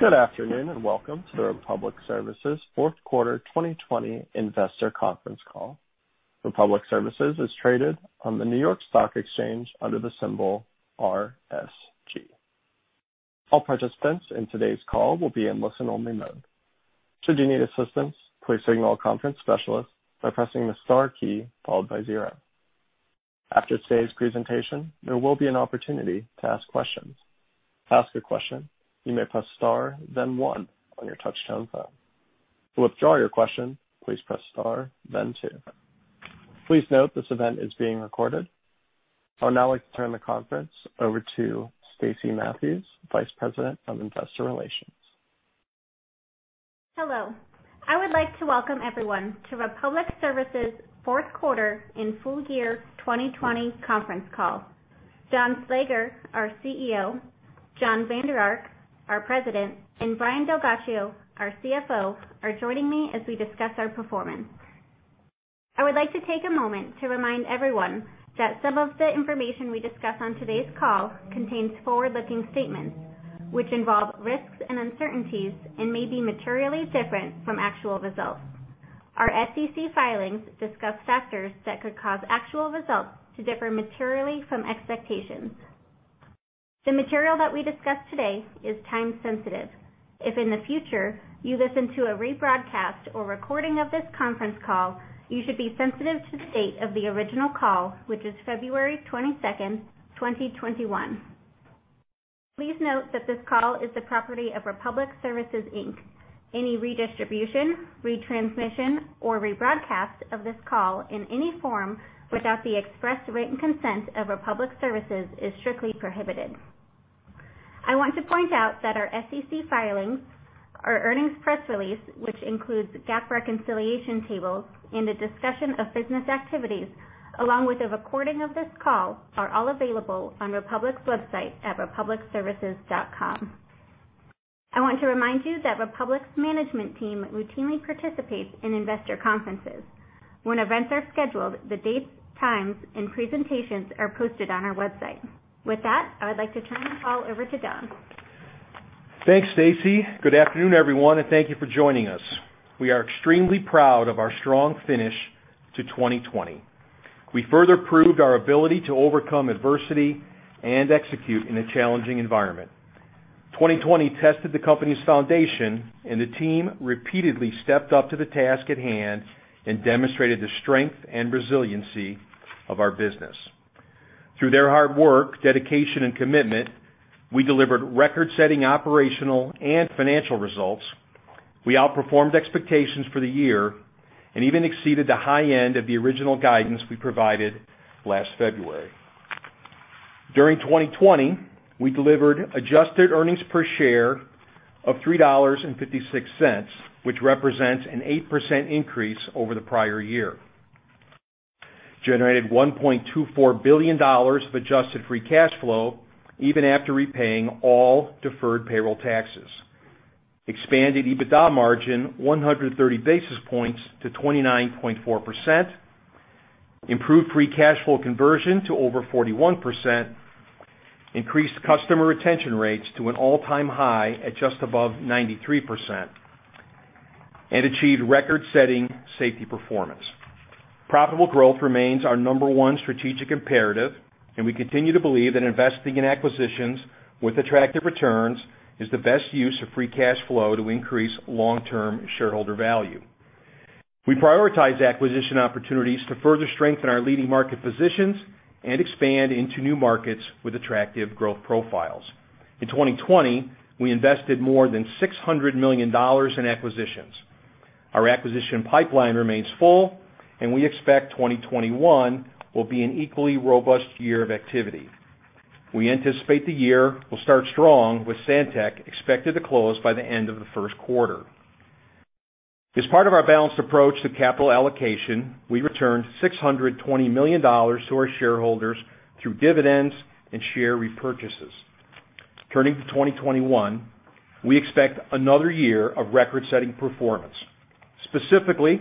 Good afternoon, welcome to the Republic Services fourth quarter 2020 investor conference call. Republic Services is traded on the New York Stock Exchange under the symbol RSG. All participants in today's call will be in listen-only mode. After today's presentation, there will be an opportunity to ask questions. Please note this event is being recorded. I would now like to turn the conference over to Stacey Mathews, Vice President of Investor Relations. Hello. I would like to welcome everyone to Republic Services' fourth quarter and full year 2020 conference call. Don Slager, our CEO, Jon Vander Ark, our President, and Brian DelGhiaccio, our CFO, are joining me as we discuss our performance. I would like to take a moment to remind everyone that some of the information we discuss on today's call contains forward-looking statements, which involve risks and uncertainties and may be materially different from actual results. Our SEC filings discuss factors that could cause actual results to differ materially from expectations. The material that we discuss today is time sensitive. If in the future you listen to a rebroadcast or recording of this conference call, you should be sensitive to the date of the original call, which is February 22nd, 2021. Please note that this call is the property of Republic Services, Inc. Any redistribution, retransmission, or rebroadcast of this call in any form without the express written consent of Republic Services is strictly prohibited. I want to point out that our SEC filings, our earnings press release, which includes GAAP reconciliation tables and a discussion of business activities, along with a recording of this call, are all available on Republic's website at republicservices.com. I want to remind you that Republic's management team routinely participates in investor conferences. When events are scheduled, the dates, times, and presentations are posted on our website. With that, I would like to turn the call over to Don. Thanks, Stacey. Good afternoon, everyone, and thank you for joining us. We are extremely proud of our strong finish to 2020. We further proved our ability to overcome adversity and execute in a challenging environment. 2020 tested the company's foundation and the team repeatedly stepped up to the task at hand and demonstrated the strength and resiliency of our business. Through their hard work, dedication, and commitment, we delivered record-setting operational and financial results. We outperformed expectations for the year and even exceeded the high end of the original guidance we provided last February. During 2020, we delivered adjusted earnings per share of $3.56, which represents an 8% increase over the prior year. Generated $1.24 billion of adjusted free cash flow even after repaying all deferred payroll taxes. Expanded EBITDA margin 130 basis points to 29.4%. Improved free cash flow conversion to over 41%. Increased customer retention rates to an all-time high at just above 93%. Achieved record-setting safety performance. Profitable growth remains our number one strategic imperative, and we continue to believe that investing in acquisitions with attractive returns is the best use of free cash flow to increase long-term shareholder value. We prioritize acquisition opportunities to further strengthen our leading market positions and expand into new markets with attractive growth profiles. In 2020, we invested more than $600 million in acquisitions. Our acquisition pipeline remains full and we expect 2021 will be an equally robust year of activity. We anticipate the year will start strong with Santek expected to close by the end of the first quarter. As part of our balanced approach to capital allocation, we returned $620 million to our shareholders through dividends and share repurchases. Turning to 2021, we expect another year of record-setting performance. Specifically,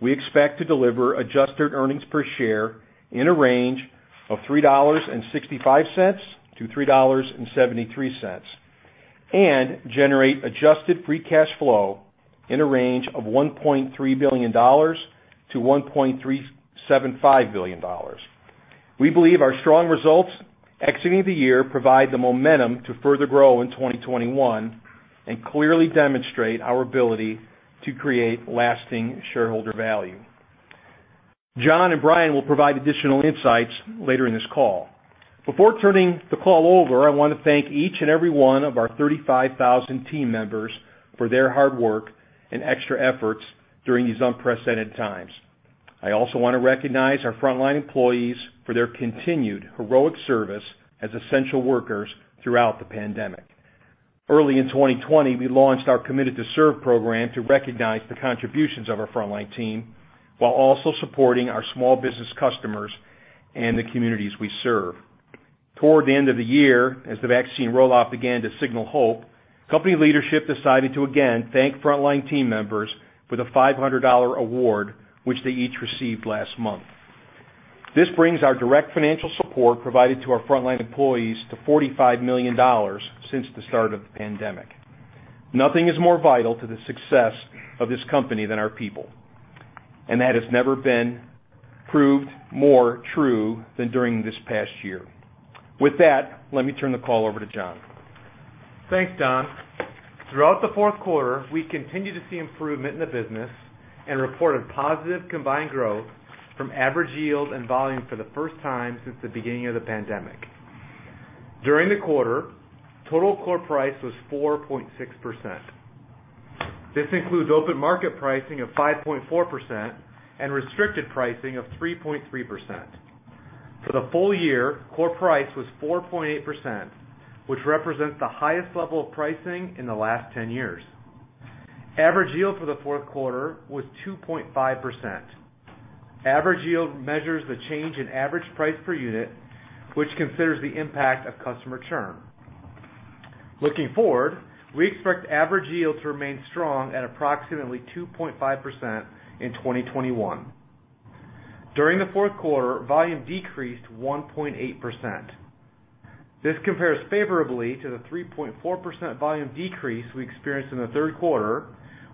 we expect to deliver adjusted earnings per share in a range of $3.65-$3.73, and generate adjusted free cash flow in a range of $1.3 billion-$1.375 billion. We believe our strong results exiting the year provide the momentum to further grow in 2021 and clearly demonstrate our ability to create lasting shareholder value. Jon and Brian will provide additional insights later in this call. Before turning the call over, I want to thank each and every one of our 35,000 team members for their hard work and extra efforts during these unprecedented times. I also want to recognize our frontline employees for their continued heroic service as essential workers throughout the pandemic. Early in 2020, we launched our Committed to Serve program to recognize the contributions of our frontline team while also supporting our small business customers and the communities we serve. Toward the end of the year, as the vaccine rollout began to signal hope, company leadership decided to again thank frontline team members with a $500 award, which they each received last month. This brings our direct financial support provided to our frontline employees to $45 million since the start of the pandemic. Nothing is more vital to the success of this company than our people, and that has never been proved more true than during this past year. With that, let me turn the call over to Jon. Thanks, Don. Throughout the fourth quarter, we continued to see improvement in the business and reported positive combined growth from average yield and volume for the first time since the beginning of the pandemic. During the quarter, total core price was 4.6%. This includes open market pricing of 5.4% and restricted pricing of 3.3%. For the full year, core price was 4.8%, which represents the highest level of pricing in the last 10 years. Average yield for the fourth quarter was 2.5%. Average yield measures the change in average price per unit, which considers the impact of customer churn. Looking forward, we expect average yield to remain strong at approximately 2.5% in 2021. During the fourth quarter, volume decreased 1.8%. This compares favorably to the 3.4% volume decrease we experienced in the third quarter,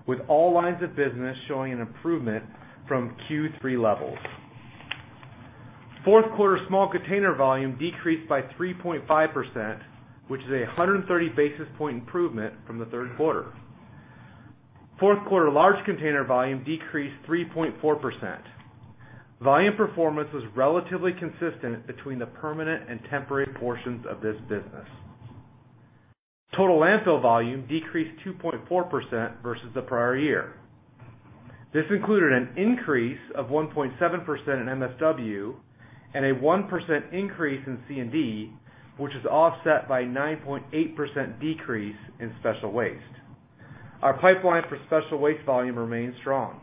with all lines of business showing an improvement from Q3 levels. Fourth quarter small container volume decreased by 3.5%, which is a 130 basis point improvement from the third quarter. Fourth quarter large container volume decreased 3.4%. Volume performance was relatively consistent between the permanent and temporary portions of this business. Total landfill volume decreased 2.4% versus the prior year. This included an increase of 1.7% in MSW and a 1% increase in C&D, which is offset by 9.8% decrease in special waste. Our pipeline for special waste volume remains strong.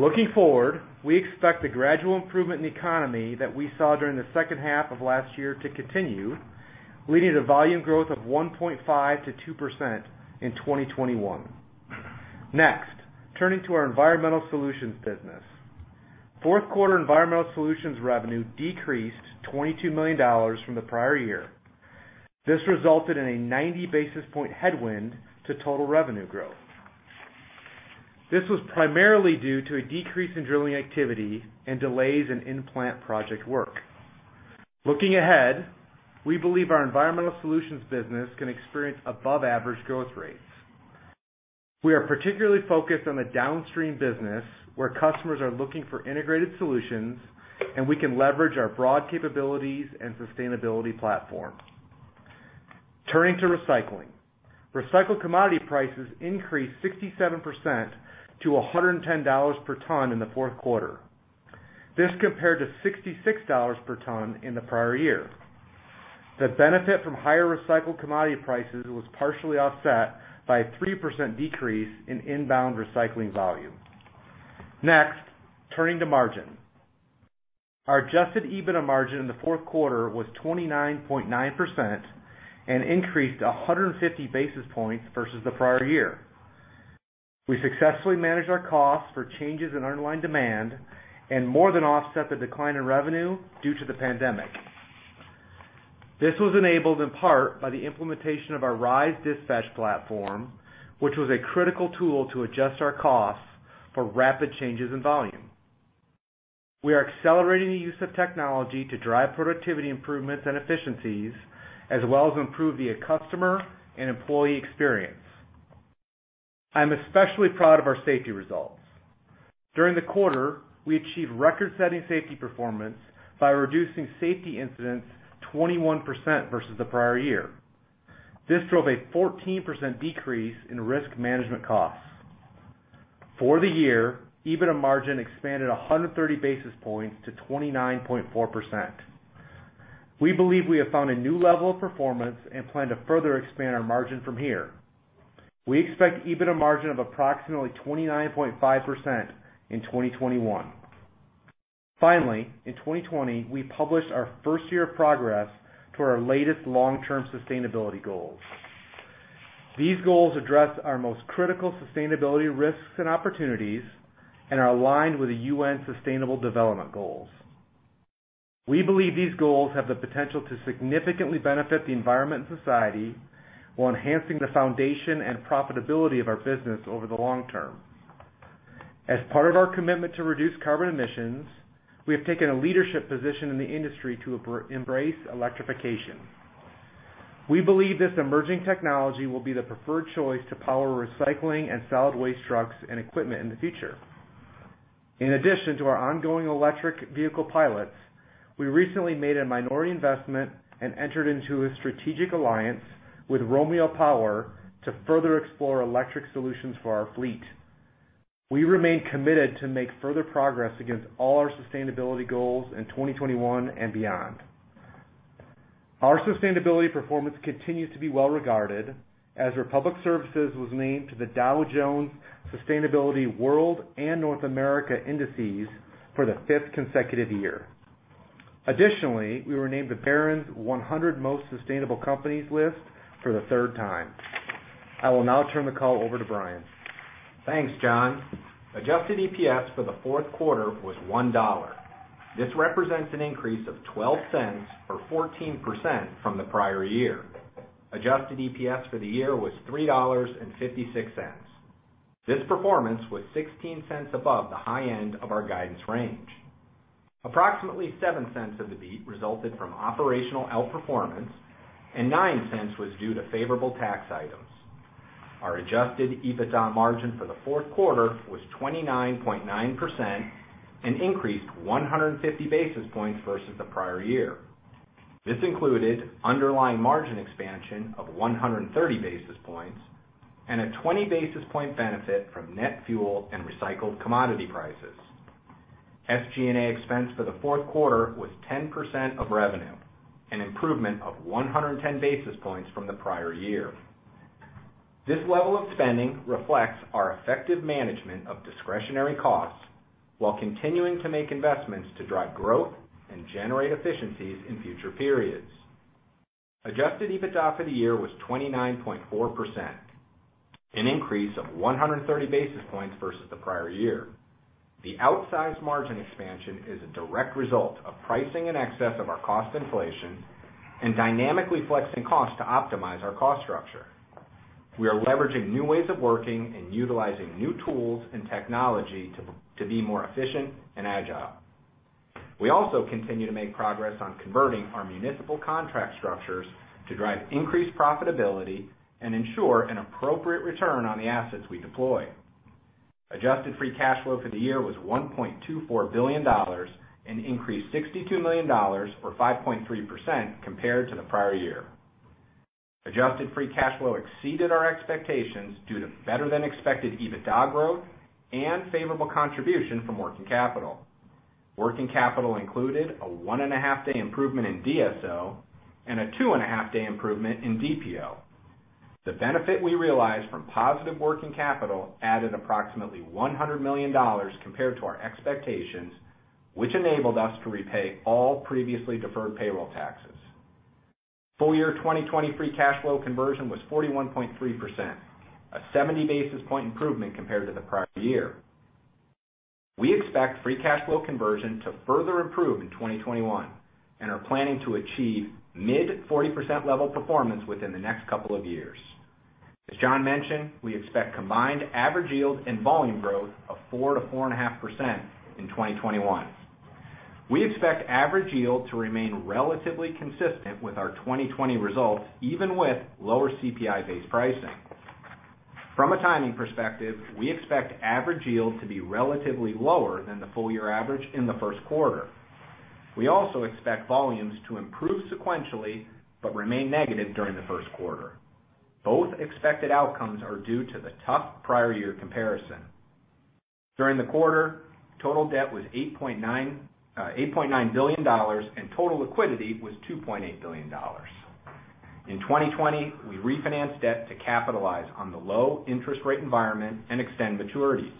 Looking forward, we expect the gradual improvement in the economy that we saw during the second half of last year to continue, leading to volume growth of 1.5%-2% in 2021. Next, turning to our Environmental Solutions business. Fourth quarter Environmental Solutions revenue decreased $22 million from the prior year. This resulted in a 90 basis point headwind to total revenue growth. This was primarily due to a decrease in drilling activity and delays in in-plant project work. Looking ahead, we believe our Environmental Solutions business can experience above-average growth rates. We are particularly focused on the downstream business, where customers are looking for integrated solutions, and we can leverage our broad capabilities and sustainability platform. Turning to recycling. Recycled commodity prices increased 67% to $110 per ton in the fourth quarter. This compared to $66 per ton in the prior year. The benefit from higher recycled commodity prices was partially offset by a 3% decrease in inbound recycling volume. Next, turning to margin. Our adjusted EBITDA margin in the fourth quarter was 29.9% and increased 150 basis points versus the prior year. We successfully managed our costs for changes in underlying demand and more than offset the decline in revenue due to the pandemic. This was enabled in part by the implementation of our RISE dispatch platform, which was a critical tool to adjust our costs for rapid changes in volume. We are accelerating the use of technology to drive productivity improvements and efficiencies, as well as improve the customer and employee experience. I am especially proud of our safety results. During the quarter, we achieved record-setting safety performance by reducing safety incidents 21% versus the prior year. This drove a 14% decrease in risk management costs. For the year, EBITDA margin expanded 130 basis points to 29.4%. We believe we have found a new level of performance and plan to further expand our margin from here. We expect EBITDA margin of approximately 29.5% in 2021. Finally, in 2020, we published our first year of progress to our latest long-term sustainability goals. These goals address our most critical sustainability risks and opportunities and are aligned with the UN Sustainable Development Goals. We believe these goals have the potential to significantly benefit the environment and society while enhancing the foundation and profitability of our business over the long term. As part of our commitment to reduce carbon emissions, we have taken a leadership position in the industry to embrace electrification. We believe this emerging technology will be the preferred choice to power recycling and solid waste trucks and equipment in the future. In addition to our ongoing electric vehicle pilots, we recently made a minority investment and entered into a strategic alliance with Romeo Power to further explore electric solutions for our fleet. We remain committed to make further progress against all our sustainability goals in 2021 and beyond. Our sustainability performance continues to be well regarded, as Republic Services was named to the Dow Jones Sustainability World and North America Indices for the fifth consecutive year. Additionally, we were named the Barron's 100 Most Sustainable Companies list for the third time. I will now turn the call over to Brian. Thanks, Jon. Adjusted EPS for the fourth quarter was $1. This represents an increase of $0.12, or 14%, from the prior year. Adjusted EPS for the year was $3.56. This performance was $0.16 above the high end of our guidance range. Approximately $0.07 of the beat resulted from operational outperformance, and $0.09 was due to favorable tax items. Our adjusted EBITDA margin for the fourth quarter was 29.9% and increased 150 basis points versus the prior year. This included underlying margin expansion of 130 basis points and a 20 basis point benefit from net fuel and recycled commodity prices. SG&A expense for the fourth quarter was 10% of revenue, an improvement of 110 basis points from the prior year. This level of spending reflects our effective management of discretionary costs while continuing to make investments to drive growth and generate efficiencies in future periods. Adjusted EBITDA for the year was 29.4%, an increase of 130 basis points versus the prior year. The outsized margin expansion is a direct result of pricing in excess of our cost inflation and dynamically flexing costs to optimize our cost structure. We are leveraging new ways of working and utilizing new tools and technology to be more efficient and agile. We also continue to make progress on converting our municipal contract structures to drive increased profitability and ensure an appropriate return on the assets we deploy. Adjusted free cash flow for the year was $1.24 billion, an increase of $62 million, or 5.3%, compared to the prior year. Adjusted free cash flow exceeded our expectations due to better-than-expected EBITDA growth and favorable contribution from working capital. Working capital included a one-and-a-half day improvement in DSO and a two-and-a-half day improvement in DPO. The benefit we realized from positive working capital added approximately $100 million compared to our expectations, which enabled us to repay all previously deferred payroll taxes. Full year 2020 free cash flow conversion was 41.3%, a 70 basis point improvement compared to the prior year. We expect free cash flow conversion to further improve in 2021 and are planning to achieve mid 40% level performance within the next couple of years. As Jon mentioned, we expect combined average yield and volume growth of 4%-4.5% in 2021. We expect average yield to remain relatively consistent with our 2020 results, even with lower CPI-based pricing. From a timing perspective, we expect average yield to be relatively lower than the full-year average in the first quarter. We also expect volumes to improve sequentially but remain negative during the first quarter. Both expected outcomes are due to the tough prior year comparison. During the quarter, total debt was $8.9 billion, and total liquidity was $2.8 billion. In 2020, we refinanced debt to capitalize on the low interest rate environment and extend maturities.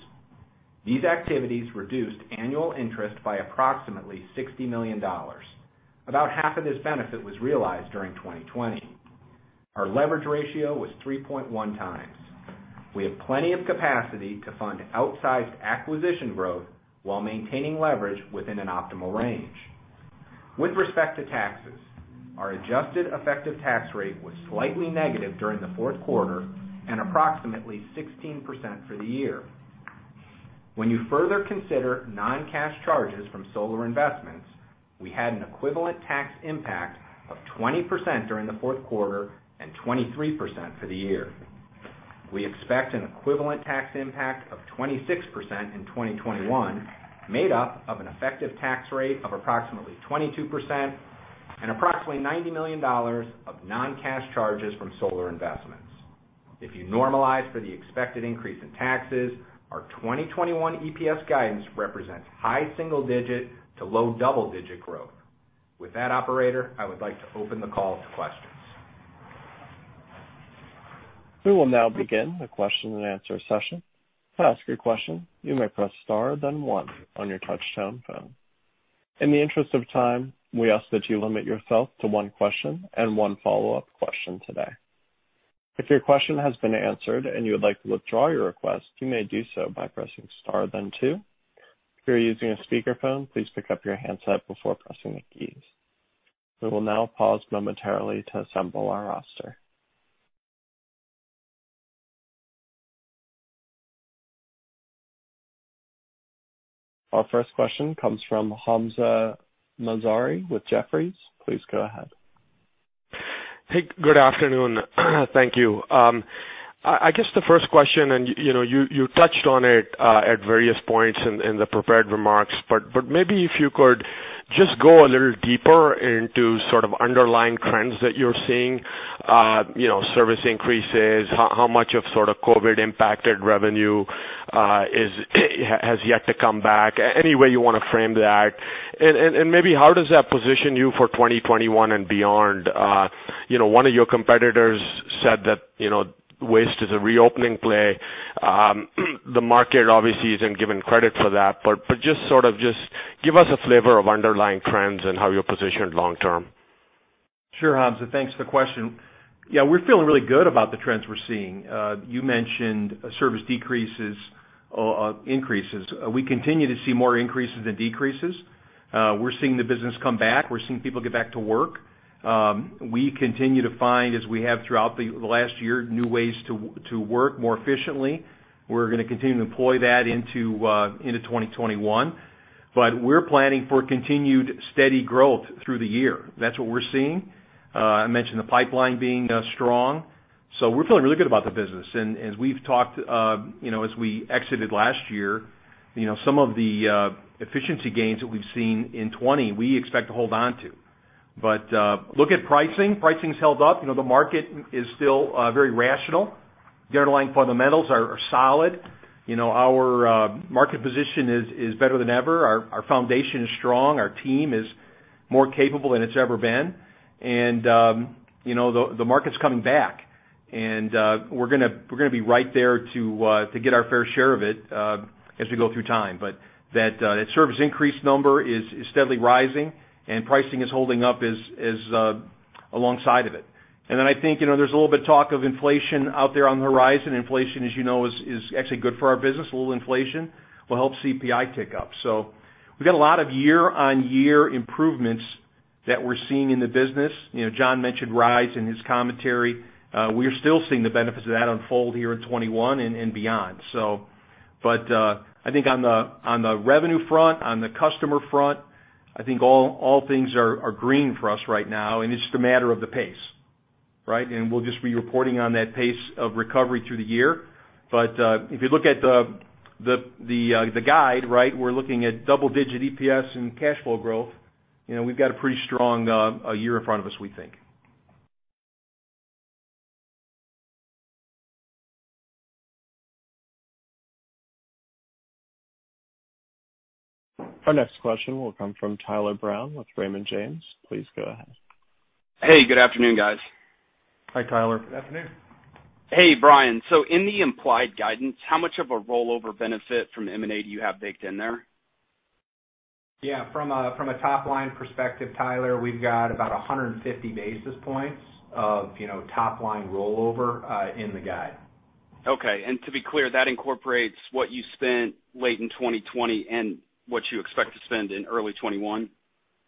These activities reduced annual interest by approximately $60 million. About half of this benefit was realized during 2020. Our leverage ratio was 3.1x. We have plenty of capacity to fund outsized acquisition growth while maintaining leverage within an optimal range. With respect to taxes, our adjusted effective tax rate was slightly negative during the fourth quarter and approximately 16% for the year. When you further consider non-cash charges from solar investments, we had an equivalent tax impact of 20% during the fourth quarter and 23% for the year. We expect an equivalent tax impact of 26% in 2021, made up of an effective tax rate of approximately 22% and approximately $90 million of non-cash charges from solar investments. If you normalize for the expected increase in taxes, our 2021 EPS guidance represents high single digit to low double-digit growth. With that, operator, I would like to open the call to questions. Our first question comes from Hamzah Mazari with Jefferies. Please go ahead. Hey, good afternoon. Thank you. I guess the first question, and you touched on it at various points in the prepared remarks, but maybe if you could just go a little deeper into sort of underlying trends that you're seeing. Service increases, how much of sort of COVID impacted revenue has yet to come back? Any way you want to frame that. Maybe how does that position you for 2021 and beyond? One of your competitors said that waste is a reopening play. The market obviously isn't given credit for that, but just give us a flavor of underlying trends and how you're positioned long-term. Sure, Hamzah. Thanks for the question. Yeah, we're feeling really good about the trends we're seeing. You mentioned service increases. We continue to see more increases than decreases. We're seeing the business come back. We're seeing people get back to work. We continue to find, as we have throughout the last year, new ways to work more efficiently. We're going to continue to employ that into 2021. We're planning for continued steady growth through the year. That's what we're seeing. I mentioned the pipeline being strong. We're feeling really good about the business. As we've talked, as we exited last year, some of the efficiency gains that we've seen in 2020, we expect to hold on to. Look at pricing. Pricing's held up. The market is still very rational. The underlying fundamentals are solid. Our market position is better than ever. Our foundation is strong. Our team is more capable than it's ever been. The market's coming back. We're going to be right there to get our fair share of it as we go through time. That service increase number is steadily rising and pricing is holding up alongside of it. I think, there's a little bit of talk of inflation out there on the horizon. Inflation, as you know, is actually good for our business. A little inflation will help CPI tick up. We've got a lot of year-on-year improvements that we're seeing in the business. Jon mentioned RISE in his commentary. We are still seeing the benefits of that unfold here in 2021 and beyond. I think on the revenue front, on the customer front, I think all things are green for us right now, and it's just a matter of the pace. Right? We'll just be reporting on that pace of recovery through the year. If you look at the guide, right, we're looking at double-digit EPS and cash flow growth. We've got a pretty strong year in front of us, we think. Our next question will come from Tyler Brown with Raymond James. Please go ahead. Hey, good afternoon, guys. Hi, Tyler. Good afternoon. Hey, Brian. In the implied guidance, how much of a rollover benefit from M&A do you have baked in there? From a top-line perspective, Tyler, we've got about 150 basis points of top-line rollover in the guide. Okay. To be clear, that incorporates what you spent late in 2020 and what you expect to spend in early 2021?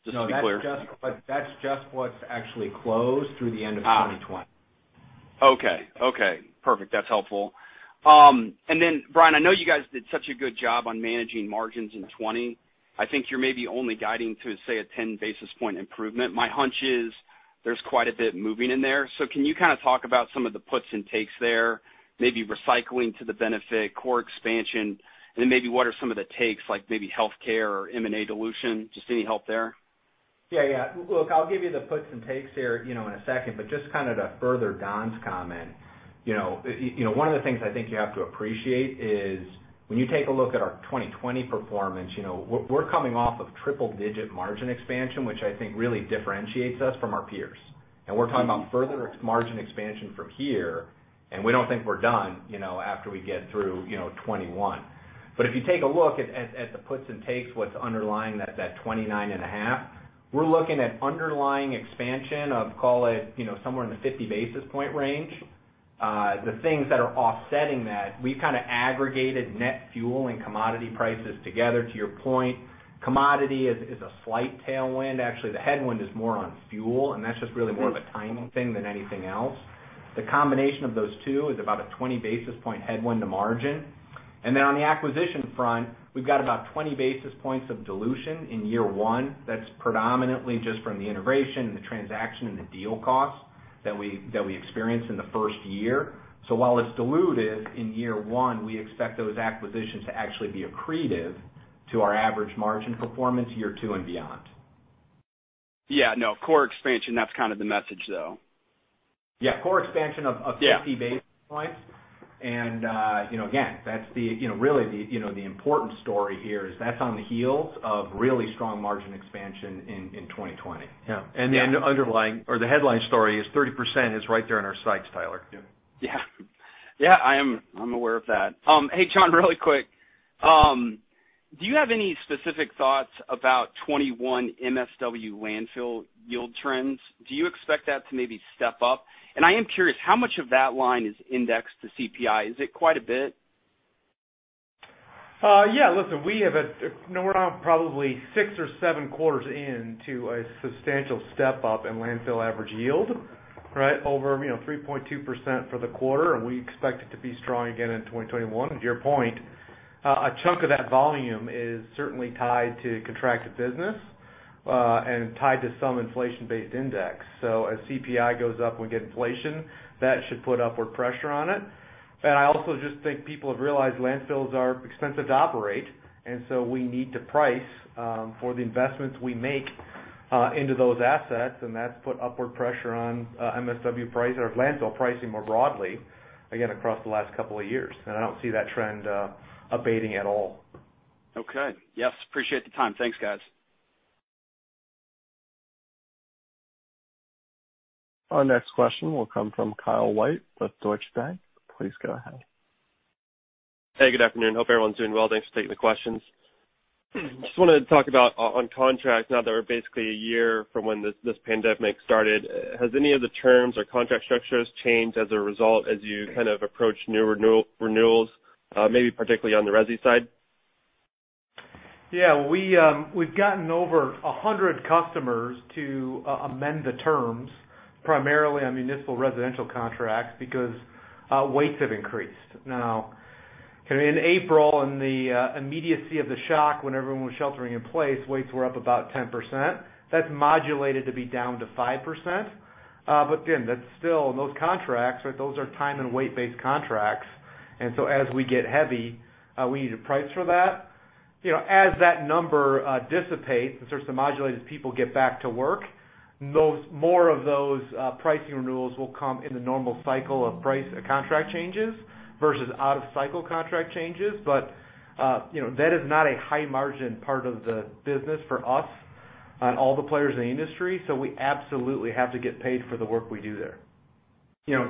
Just to be clear. No, that's just what's actually closed through the end of 2020. Okay. Perfect. That's helpful. Brian, I know you guys did such a good job on managing margins in 2020. I think you're maybe only guiding to, say, a 10-basis-point improvement. My hunch is there's quite a bit moving in there. Can you kind of talk about some of the puts and takes there, maybe recycling to the benefit, core expansion, and then maybe what are some of the takes, like maybe healthcare or M&A dilution? Just any help there. Look, I'll give you the puts and takes here in a second, but just to further Don's comment. One of the things I think you have to appreciate is when you take a look at our 2020 performance, we're coming off of triple-digit margin expansion, which I think really differentiates us from our peers. We're talking about further margin expansion from here, and we don't think we're done after we get through 2021. If you take a look at the puts and takes, what's underlying that 29.5, we're looking at underlying expansion of, call it, somewhere in the 50-basis-point range. The things that are offsetting that, we've kind of aggregated net fuel and commodity prices together, to your point. Commodity is a slight tailwind. Actually, the headwind is more on fuel, and that's just really more of a timing thing than anything else. The combination of those two is about a 20-basis-point headwind to margin. On the acquisition front, we've got about 20 basis points of dilution in year one. That's predominantly just from the integration and the transaction and the deal cost that we experienced in the first year. While it's dilutive in year one, we expect those acquisitions to actually be accretive to our average margin performance year two and beyond. Yeah. No, core expansion, that's kind of the message, though. Yeah. Yeah 50 basis points. Again, that's really the important story here, is that's on the heels of really strong margin expansion in 2020. Yeah. The underlying or the headline story is 30% is right there in our sights, Tyler. Yeah. Yeah, I'm aware of that. Hey, Jon, really quick. Do you have any specific thoughts about 2021 MSW landfill yield trends? Do you expect that to maybe step up? I am curious, how much of that line is indexed to CPI? Is it quite a bit? Yeah, listen, we're now probably six or seven quarters in to a substantial step-up in landfill average yield. Right? Over 3.2% for the quarter, and we expect it to be strong again in 2021. To your point, a chunk of that volume is certainly tied to contracted business, and tied to some inflation-based index. As CPI goes up and we get inflation, that should put upward pressure on it. I also just think people have realized landfills are expensive to operate, and so we need to price for the investments we make into those assets, and that's put upward pressure on MSW price or landfill pricing more broadly, again, across the last couple of years. I don't see that trend abating at all. Okay. Yes, appreciate the time. Thanks, guys. Our next question will come from Kyle White with Deutsche Bank. Please go ahead. Hey, good afternoon. Hope everyone's doing well. Thanks for taking the questions. Just wanted to talk about, on contracts, now that we're basically a year from when this pandemic started, has any of the terms or contract structures changed as a result as you kind of approach new renewals, maybe particularly on the resi side? Yeah. We've gotten over 100 customers to amend the terms, primarily on municipal residential contracts, because weights have increased. Now, in April, in the immediacy of the shock when everyone was sheltering in place, weights were up about 10%. That's modulated to be down to 5%. Again, that's still, those contracts are time and weight-based contracts. As we get heavy, we need to price for that. As that number dissipates and starts to modulate as people get back to work, more of those pricing renewals will come in the normal cycle of price contract changes versus out of cycle contract changes. That is not a high margin part of the business for us on all the players in the industry. We absolutely have to get paid for the work we do there.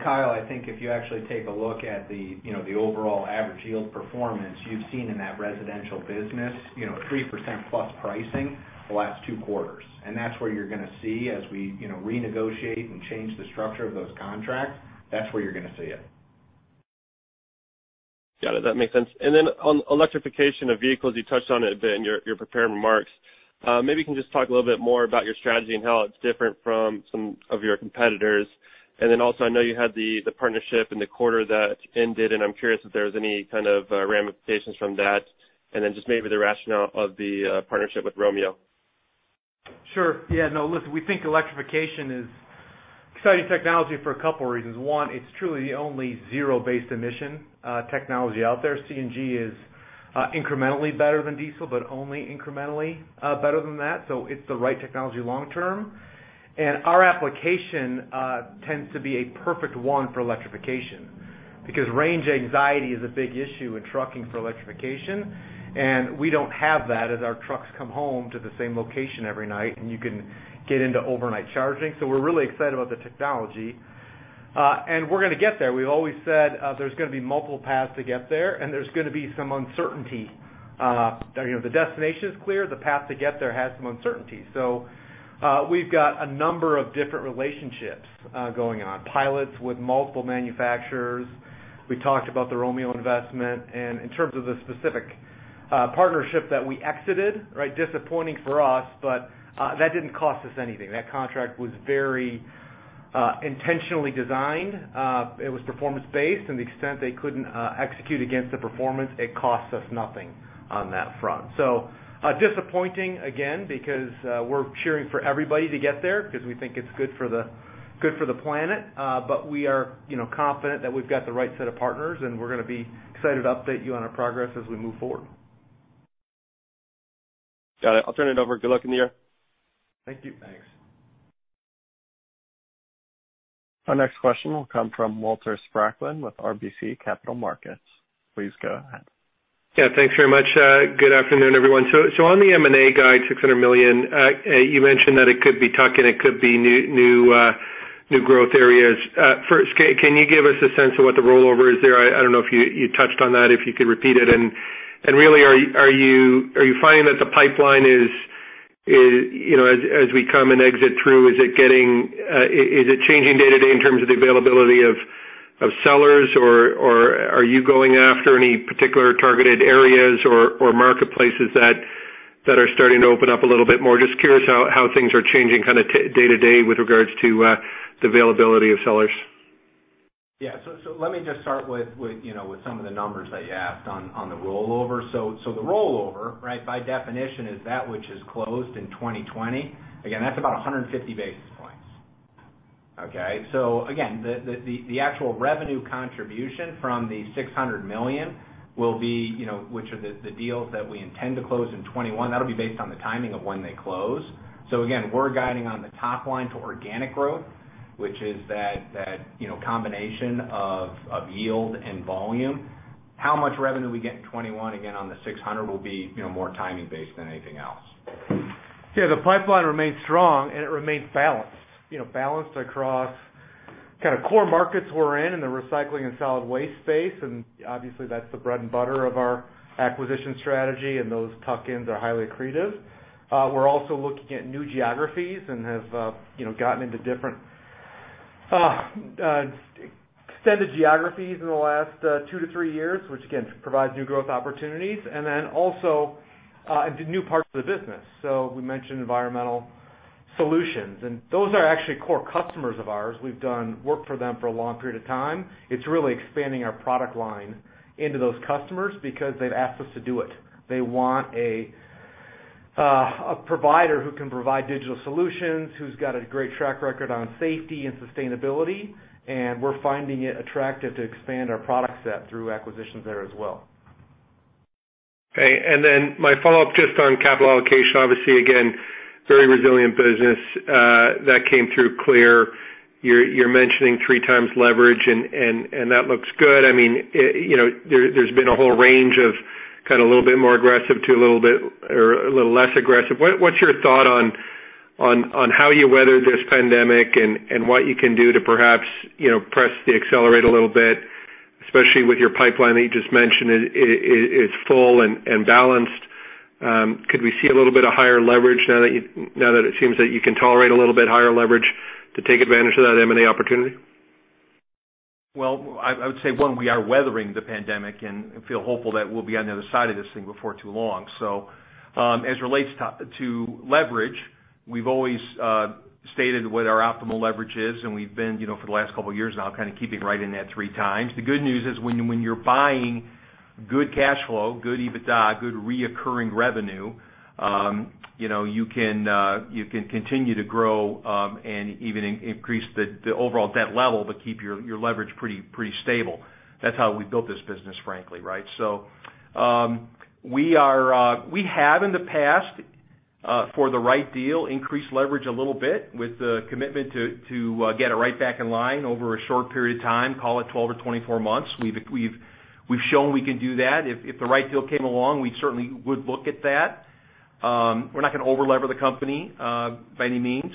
Kyle, I think if you actually take a look at the overall average yield performance you've seen in that residential business, 3% plus pricing the last two quarters. That's where you're going to see as we renegotiate and change the structure of those contracts, that's where you're going to see it. Got it. That makes sense. On electrification of vehicles, you touched on it a bit in your prepared remarks. Maybe you can just talk a little bit more about your strategy and how it's different from some of your competitors. I know you had the partnership in the quarter that ended, and I'm curious if there's any kind of ramifications from that. Maybe the rationale of the partnership with Romeo. Sure. Yeah, no, listen, we think electrification is exciting technology for a couple reasons. One, it's truly the only zero-based emission technology out there. CNG is incrementally better than diesel, but only incrementally better than that. It's the right technology long term. Our application tends to be a perfect one for electrification, because range anxiety is a big issue in trucking for electrification, and we don't have that as our trucks come home to the same location every night, and you can get into overnight charging. We're really excited about the technology. We're going to get there. We've always said, there's going to be multiple paths to get there, and there's going to be some uncertainty. The destination is clear, the path to get there has some uncertainty. We've got a number of different relationships going on. Pilots with multiple manufacturers. We talked about the Romeo investment. In terms of the specific partnership that we exited, disappointing for us, but that didn't cost us anything. That contract was very intentionally designed. It was performance-based. In the extent they couldn't execute against the performance, it cost us nothing on that front. Disappointing again, because we're cheering for everybody to get there because we think it's good for the planet, but we are confident that we've got the right set of partners, and we're going to be excited to update you on our progress as we move forward. Got it. I'll turn it over. Good luck in the year. Thank you. Thanks. Our next question will come from Walter Spracklen with RBC Capital Markets. Please go ahead. Yeah, thanks very much. Good afternoon, everyone. On the M&A guide, $600 million, you mentioned that it could be tuck-in, it could be new growth areas. First, can you give us a sense of what the rollover is there? I don't know if you touched on that, if you could repeat it. Really, are you finding that the pipeline is, as we come and exit through, is it changing day-to-day in terms of the availability of sellers, or are you going after any particular targeted areas or marketplaces that are starting to open up a little bit more? Just curious how things are changing kind of day-to-day with regards to the availability of sellers. Yeah. Let me just start with some of the numbers that you asked on the rollover. The rollover, by definition, is that which is closed in 2020. Again, that's about 150 basis points. Okay. Again, the actual revenue contribution from the $600 million, which are the deals that we intend to close in 2021, that'll be based on the timing of when they close. Again, we're guiding on the top line to organic growth, which is that combination of yield and volume. How much revenue we get in 2021, again, on the $600 million, will be more timing based than anything else. Yeah, the pipeline remains strong and it remains balanced. Balanced across kind of core markets we're in the recycling and solid waste space, and obviously that's the bread and butter of our acquisition strategy, and those tuck-ins are highly accretive. We're also looking at new geographies and have gotten into different extended geographies in the last two to three years, which again, provides new growth opportunities. Then also into new parts of the business. We mentioned Environmental Solutions, and those are actually core customers of ours. We've done work for them for a long period of time. It's really expanding our product line into those customers because they've asked us to do it. They want a provider who can provide digital solutions, who's got a great track record on safety and sustainability, and we're finding it attractive to expand our product set through acquisitions there as well. Okay, my follow-up just on capital allocation, obviously again, very resilient business. That came through clear. You're mentioning 3x leverage and that looks good. There's been a whole range of kind of a little bit more aggressive to a little bit or a little less aggressive. What's your thought on how you weather this pandemic and what you can do to perhaps press the accelerator a little bit, especially with your pipeline that you just mentioned is full and balanced? Could we see a little bit of higher leverage now that it seems that you can tolerate a little bit higher leverage to take advantage of that M&A opportunity? I would say, one, we are weathering the pandemic and feel hopeful that we'll be on the other side of this thing before too long. As relates to leverage, we've always stated what our optimal leverage is, and we've been, for the last couple of years now, kind of keeping right in that 3x. The good news is, when you're buying good cash flow, good EBITDA, good reoccurring revenue, you can continue to grow, and even increase the overall debt level, but keep your leverage pretty stable. That's how we built this business, frankly, right? We have in the past, for the right deal, increased leverage a little bit with the commitment to get it right back in line over a short period of time, call it 12 or 24 months. We've shown we can do that. If the right deal came along, we certainly would look at that. We're not going to over-lever the company, by any means.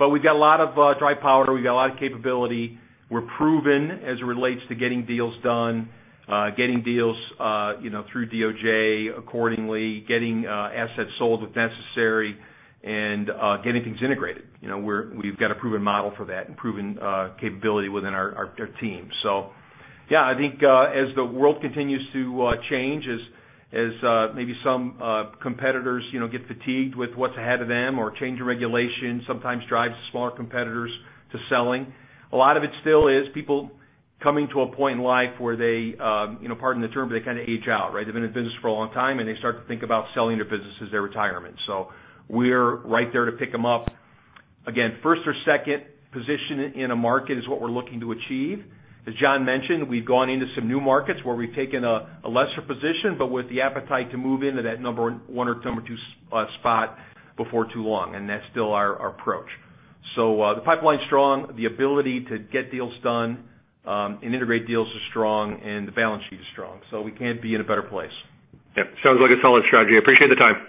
We've got a lot of dry powder. We've got a lot of capability. We're proven as it relates to getting deals done, getting deals through DOJ accordingly, getting assets sold if necessary, and getting things integrated. We've got a proven model for that and proven capability within our team. Yeah, I think, as the world continues to change, as maybe some competitors get fatigued with what's ahead of them or change in regulation sometimes drives smaller competitors to selling. A lot of it still is people coming to a point in life where they, pardon the term, but they kind of age out, right? They've been in business for a long time, and they start to think about selling their business as their retirement. We're right there to pick them up. Again, first or second position in a market is what we're looking to achieve. As Jon mentioned, we've gone into some new markets where we've taken a lesser position, but with the appetite to move into that number one or number two spot before too long, and that's still our approach. The pipeline's strong, the ability to get deals done, and integrate deals is strong, and the balance sheet is strong, so we can't be in a better place. Yep. Sounds like a solid strategy. Appreciate the time.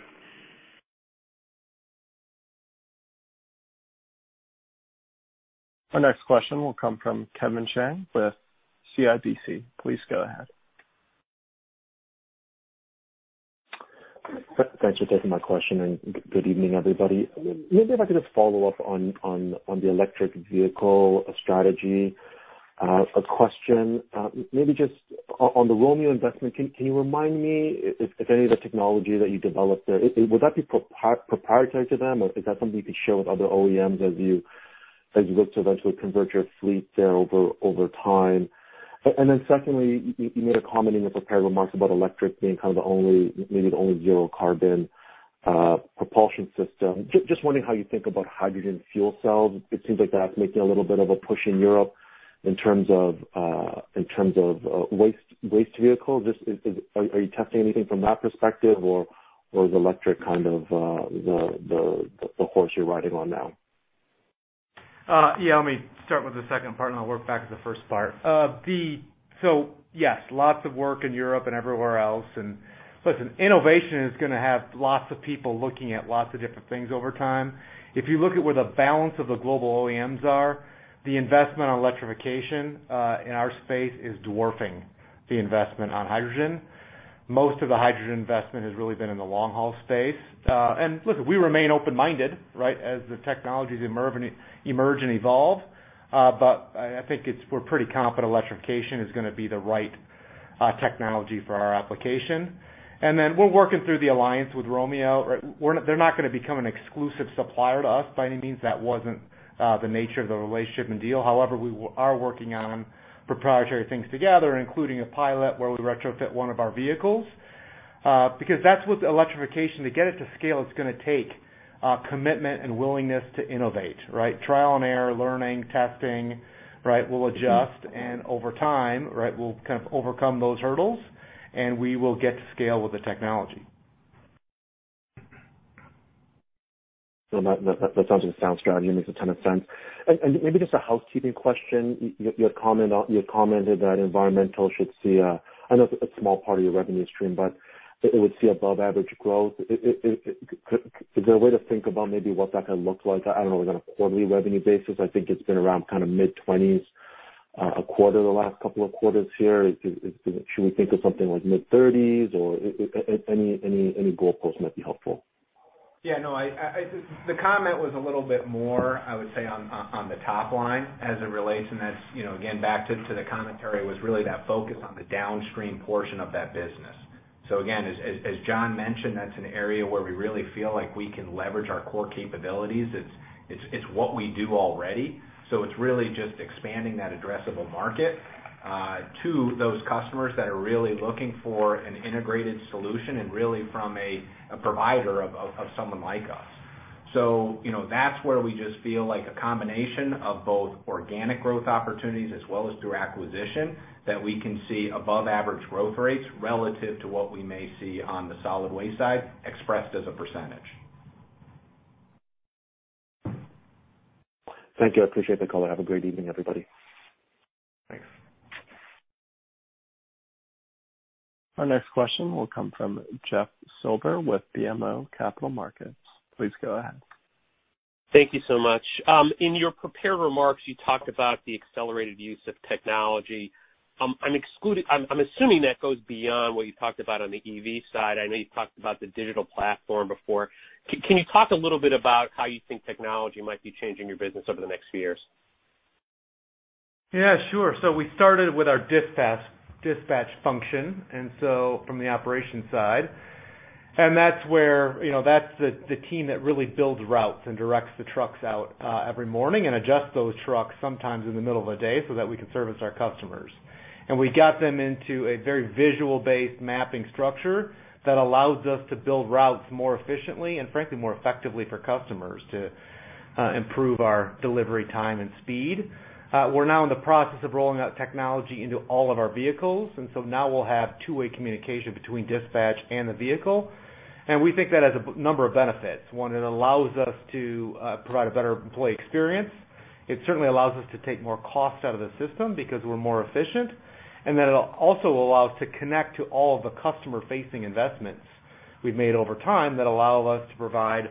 Our next question will come from Kevin Chiang with CIBC. Please go ahead. Thanks for taking my question. Good evening, everybody. Maybe if I could just follow up on the electric vehicle strategy. A question, maybe just on the Romeo investment, can you remind me if any of the technology that you developed there, would that be proprietary to them, or is that something you could share with other OEMs as you look to eventually convert your fleet there over time? Secondly, you made a comment in your prepared remarks about electric being kind of maybe the only zero carbon propulsion system. Just wondering how you think about hydrogen fuel cells. It seems like that's making a little bit of a push in Europe in terms of waste vehicles. Are you testing anything from that perspective, or is electric kind of the horse you're riding on now? Yeah, let me start with the second part, and I'll work back to the first part. Yes, lots of work in Europe and everywhere else. Listen, innovation is going to have lots of people looking at lots of different things over time. If you look at where the balance of the global OEMs are, the investment on electrification, in our space, is dwarfing the investment on hydrogen. Most of the hydrogen investment has really been in the long-haul space. Look, we remain open-minded, right, as the technologies emerge and evolve. I think we're pretty confident electrification is going to be the right technology for our application. Then we're working through the alliance with Romeo. They're not going to become an exclusive supplier to us by any means. That wasn't the nature of the relationship and deal. However, we are working on proprietary things together, including a pilot where we retrofit one of our vehicles. Because that's what electrification, to get it to scale, it's going to take commitment and willingness to innovate, right? Trial and error, learning, testing, right? We'll adjust, and over time, right, we'll kind of overcome those hurdles, and we will get to scale with the technology. That sounds like a sound strategy and makes a ton of sense. Maybe just a housekeeping question. You had commented that Environmental should see a, I know it's a small part of your revenue stream, but it would see above-average growth. Is there a way to think about maybe what that could look like, I don't know, on a quarterly revenue basis? I think it's been around kind of mid-twenties, a quarter the last couple of quarters here. Should we think of something like mid-30s or any goalpost might be helpful. No, the comment was a little bit more, I would say, on the top line as it relates, and that's, again, back to the commentary was really that focus on the downstream portion of that business. Again, as Jon mentioned, that's an area where we really feel like we can leverage our core capabilities. It's what we do already. It's really just expanding that addressable market to those customers that are really looking for an integrated solution and really from a provider of someone like us. That's where we just feel like a combination of both organic growth opportunities as well as through acquisition that we can see above average growth rates relative to what we may see on the solid waste side expressed as a percentage. Thank you. I appreciate the call. Have a great evening, everybody. Thanks. Our next question will come from Jeffrey Silber with BMO Capital Markets. Please go ahead. Thank you so much. In your prepared remarks, you talked about the accelerated use of technology. I'm assuming that goes beyond what you talked about on the EV side. I know you've talked about the digital platform before. Can you talk a little bit about how you think technology might be changing your business over the next few years? Yeah, sure. We started with our dispatch function from the operations side. That's the team that really builds routes and directs the trucks out every morning and adjusts those trucks sometimes in the middle of the day so that we can service our customers. We got them into a very visual-based mapping structure that allows us to build routes more efficiently and frankly, more effectively for customers to improve our delivery time and speed. We're now in the process of rolling out technology into all of our vehicles, now we'll have two-way communication between dispatch and the vehicle, and we think that has a number of benefits. One, it allows us to provide a better employee experience. It certainly allows us to take more cost out of the system because we're more efficient, and then it'll also allow us to connect to all of the customer-facing investments we've made over time that allow us to provide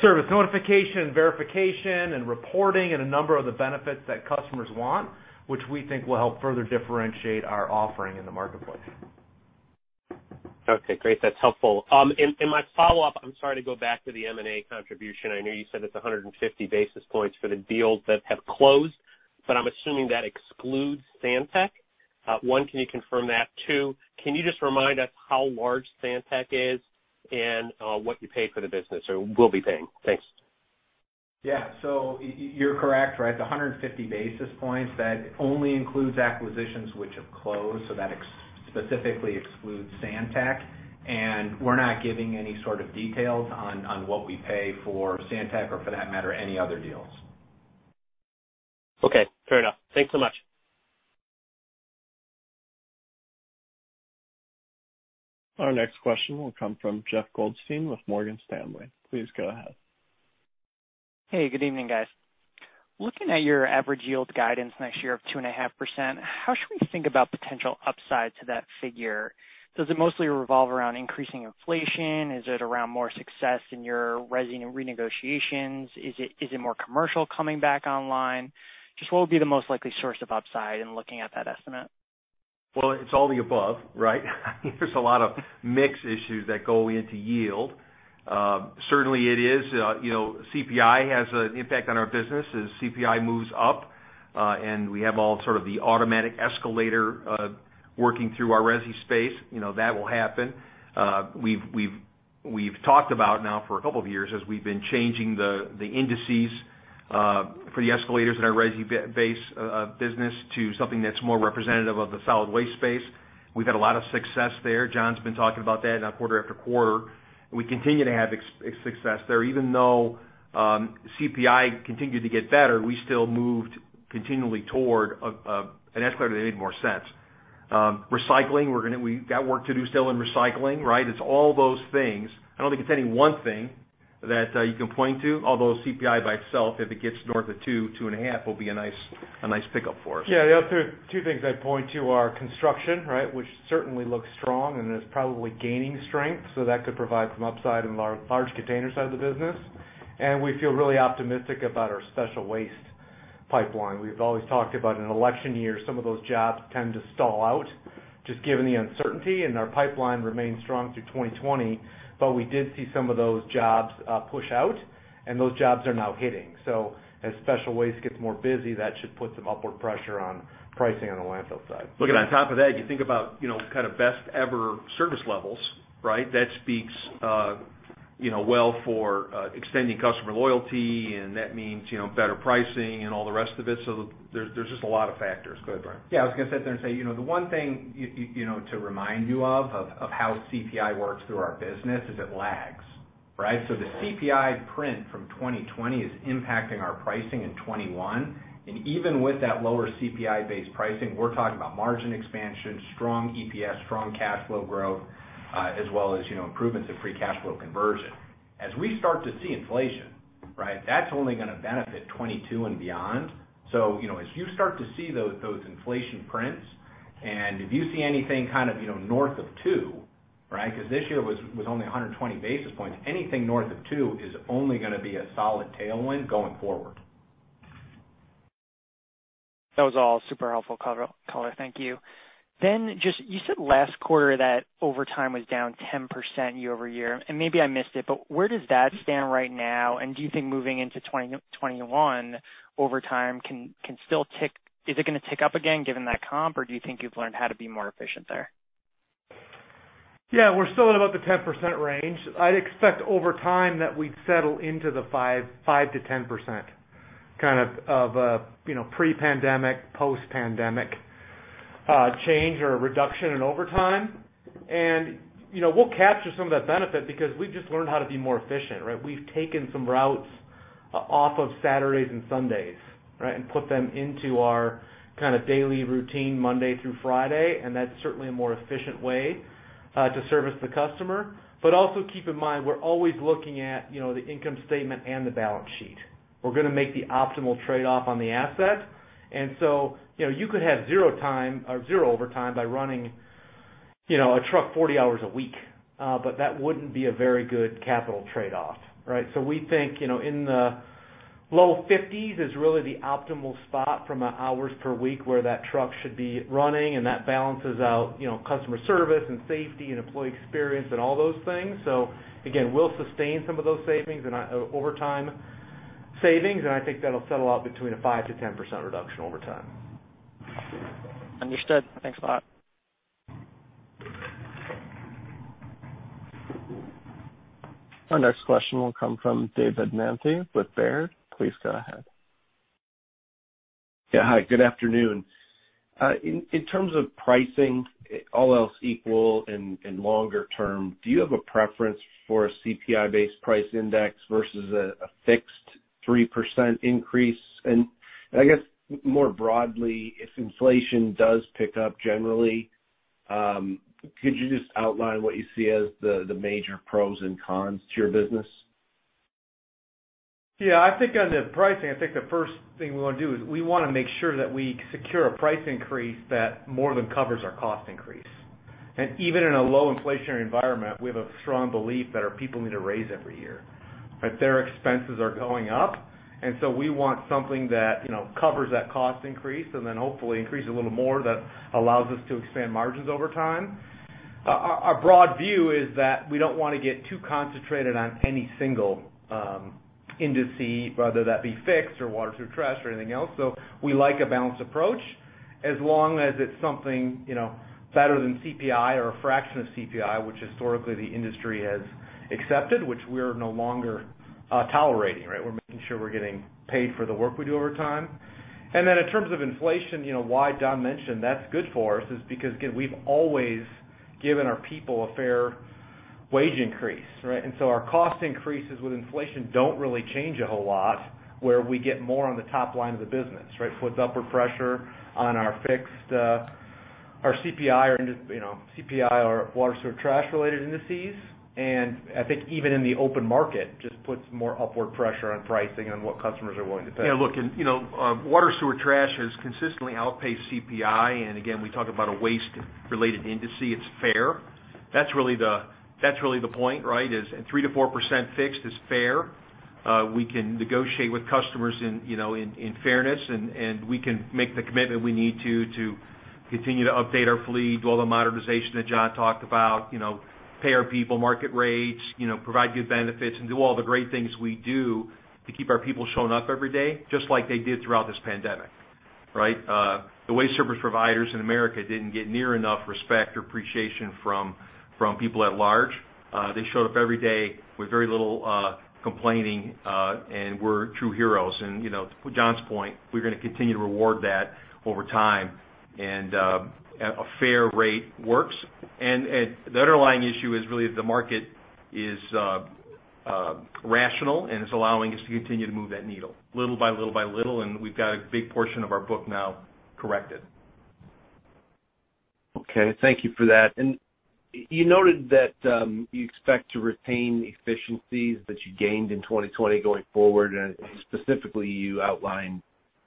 service notification, verification, and reporting and a number of the benefits that customers want, which we think will help further differentiate our offering in the marketplace. Okay, great. That's helpful. In my follow-up, I'm sorry to go back to the M&A contribution. I know you said it's 150 basis points for the deals that have closed, but I'm assuming that excludes Santek. One, can you confirm that? Two, can you just remind us how large Santek is and what you pay for the business, or will be paying? Thanks. Yeah. You're correct, right. The 150 basis points, that only includes acquisitions which have closed, so that specifically excludes Santek, and we're not giving any sort of details on what we pay for Santek or for that matter, any other deals. Okay, fair enough. Thanks so much. Our next question will come from Jeff Goldstein with Morgan Stanley. Please go ahead. Hey, good evening, guys. Looking at your average yield guidance next year of 2.5%, how should we think about potential upside to that figure? Does it mostly revolve around increasing inflation? Is it around more success in your resi renegotiations? Is it more commercial coming back online? Just what would be the most likely source of upside in looking at that estimate? Well, it's all the above, right? There's a lot of mix issues that go into yield. Certainly, it is. CPI has an impact on our business. As CPI moves up, we have all sort of the automatic escalator working through our resi space, that will happen. We've talked about now for a couple of years as we've been changing the indices for the escalators in our resi base business to something that's more representative of the solid waste space. We've had a lot of success there. Jon's been talking about that now quarter after quarter. We continue to have success there. Even though CPI continued to get better, we still moved continually toward an escalator that made more sense. Recycling, we've got work to do still in recycling, right? It's all those things. I don't think it's any one thing that you can point to, although CPI by itself, if it gets north of two and a half, will be a nice pick-up for us. Yeah. The other two things I'd point to are construction, right, which certainly looks strong and is probably gaining strength. That could provide some upside in the large container side of the business, and we feel really optimistic about our special waste pipeline. We've always talked about in an election year, some of those jobs tend to stall out just given the uncertainty, and our pipeline remained strong through 2020, but we did see some of those jobs push out, and those jobs are now hitting. As special waste gets more busy, that should put some upward pressure on pricing on the landfill side. Look at on top of that, you think about best ever service levels, right? That speaks well for extending customer loyalty, and that means better pricing and all the rest of it. There's just a lot of factors. Go ahead, Brian. I was going to sit there and say, the one thing to remind you of how CPI works through our business is it lags, right? The CPI print from 2020 is impacting our pricing in 2021. Even with that lower CPI-based pricing, we're talking about margin expansion, strong EPS, strong cash flow growth, as well as improvements in free cash flow conversion. As we start to see inflation, right, that's only going to benefit 2022 and beyond. As you start to see those inflation prints, and if you see anything north of two, right, because this year was only 120 basis points. Anything north of two is only going to be a solid tailwind going forward. That was all super helpful color. Thank you. Just, you said last quarter that overtime was down 10% year-over-year. Maybe I missed it, where does that stand right now? Do you think moving into 2021, overtime, is it going to tick up again given that comp, or do you think you've learned how to be more efficient there? Yeah, we're still at about the 10% range. I'd expect over time that we'd settle into the 5%-10% kind of pre-pandemic, post-pandemic change or reduction in overtime. We'll capture some of that benefit because we've just learned how to be more efficient, right? We've taken some routes off of Saturdays and Sundays, right, and put them into our kind of daily routine Monday through Friday, and that's certainly a more efficient way. To service the customer. Also keep in mind, we're always looking at the income statement and the balance sheet. We're going to make the optimal trade-off on the asset. You could have zero overtime by running a truck 40 hours a week. That wouldn't be a very good capital trade-off. Right? We think, in the low 50s is really the optimal spot from an hours per week where that truck should be running, and that balances out customer service and safety and employee experience and all those things. Again, we'll sustain some of those savings and overtime savings, and I think that'll settle out between a 5%-10% reduction over time. Understood. Thanks a lot. Our next question will come from David Manthey with Baird. Please go ahead. Yeah. Hi, good afternoon. In terms of pricing, all else equal and longer term, do you have a preference for a CPI-based price index versus a fixed 3% increase? I guess more broadly, if inflation does pick up generally, could you just outline what you see as the major pros and cons to your business? Yeah. I think on the pricing, I think the first thing we want to do is we want to make sure that we secure a price increase that more than covers our cost increase. Even in a low inflationary environment, we have a strong belief that our people need a raise every year. Right? Their expenses are going up. We want something that covers that cost increase and then hopefully increase a little more that allows us to expand margins over time. Our broad view is that we don't want to get too concentrated on any single index, whether that be fixed or water, sewer, trash, or anything else. We like a balanced approach as long as it's something better than CPI or a fraction of CPI, which historically the industry has accepted, which we're no longer tolerating. Right? We're making sure we're getting paid for the work we do over time. In terms of inflation, why Don mentioned that's good for us is because, again, we've always given our people a fair wage increase. Right? Our cost increases with inflation don't really change a whole lot, where we get more on the top line of the business. Right? It's upward pressure on our fixed, our CPI or water, sewer, trash related indices. I think even in the open market, just puts more upward pressure on pricing on what customers are willing to pay. Yeah, look, water, sewer trash has consistently outpaced CPI. Again, we talk about a waste-related index. It's fair. That's really the point, right? Is at 3%-4% fixed is fair. We can negotiate with customers in fairness, and we can make the commitment we need to to continue to update our fleet, do all the modernization that Jon talked about, pay our people market rates, provide good benefits, and do all the great things we do to keep our people showing up every day, just like they did throughout this pandemic. Right? The waste service providers in America didn't get near enough respect or appreciation from people at large. They showed up every day with very little complaining, and were true heroes. To Jon's point, we're going to continue to reward that over time. A fair rate works. The underlying issue is really the market is rational and is allowing us to continue to move that needle little by little. We've got a big portion of our book now corrected. Okay. Thank you for that. You noted that you expect to retain efficiencies that you gained in 2020 going forward, specifically, you outlined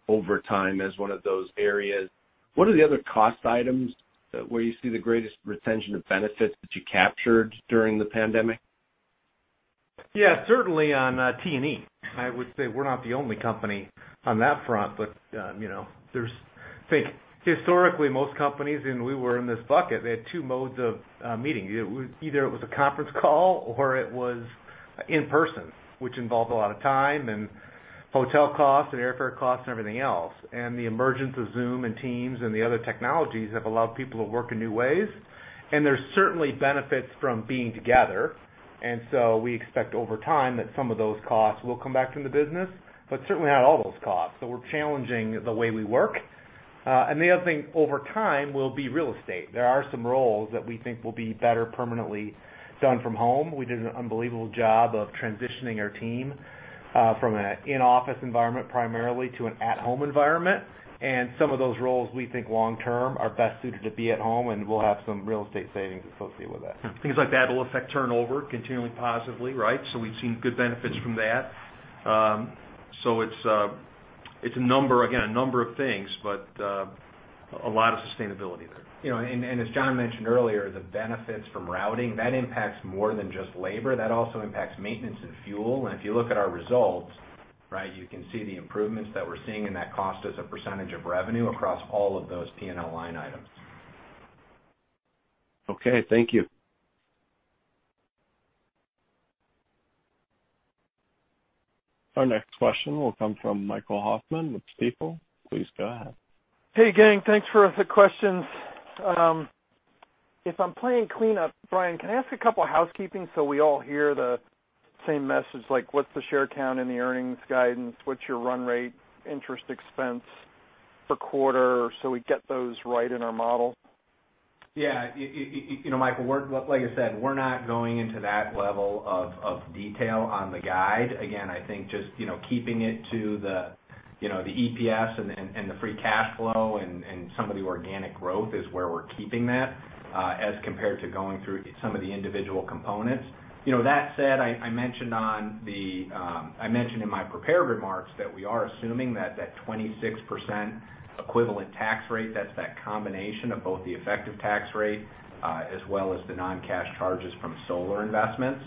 overtime as one of those areas. What are the other cost items where you see the greatest retention of benefits that you captured during the pandemic? Yeah. Certainly, on T&E. I would say we're not the only company on that front. Think historically, most companies, and we were in this bucket, they had two modes of meeting. Either it was a conference call or it was in person, which involved a lot of time and hotel costs and airfare costs and everything else. The emergence of Zoom and Teams and the other technologies have allowed people to work in new ways. There's certainly benefits from being together. We expect over time that some of those costs will come back into the business, but certainly not all those costs. We're challenging the way we work. The other thing over time will be real estate. There are some roles that we think will be better permanently done from home. We did an unbelievable job of transitioning our team from an in-office environment primarily to an at-home environment. Some of those roles, we think long term are best suited to be at home, and we'll have some real estate savings associated with that. Things like that will affect turnover continually positively. Right? We've seen good benefits from that. It's a number of things, but a lot of sustainability there. As Jon mentioned earlier, the benefits from routing, that impacts more than just labor. That also impacts maintenance and fuel. If you look at our results, you can see the improvements that we're seeing in that cost as a percentage of revenue across all of those P&L line items. Okay. Thank you. Our next question will come from Michael Hoffman with Stifel. Please go ahead. Hey, gang. Thanks for the questions. If I'm playing cleanup, Brian, can I ask a couple housekeeping so we all hear the same message? Like what's the share count and the earnings guidance? What's your run rate interest expense per quarter so we get those right in our model? Yeah. Michael, like I said, we're not going into that level of detail on the guide. Again, I think just keeping it to the EPS and the free cash flow and some of the organic growth is where we're keeping that, as compared to going through some of the individual components. That said, I mentioned in my prepared remarks that we are assuming that that 26% equivalent tax rate, that's that combination of both the effective tax rate as well as the non-cash charges from solar investments.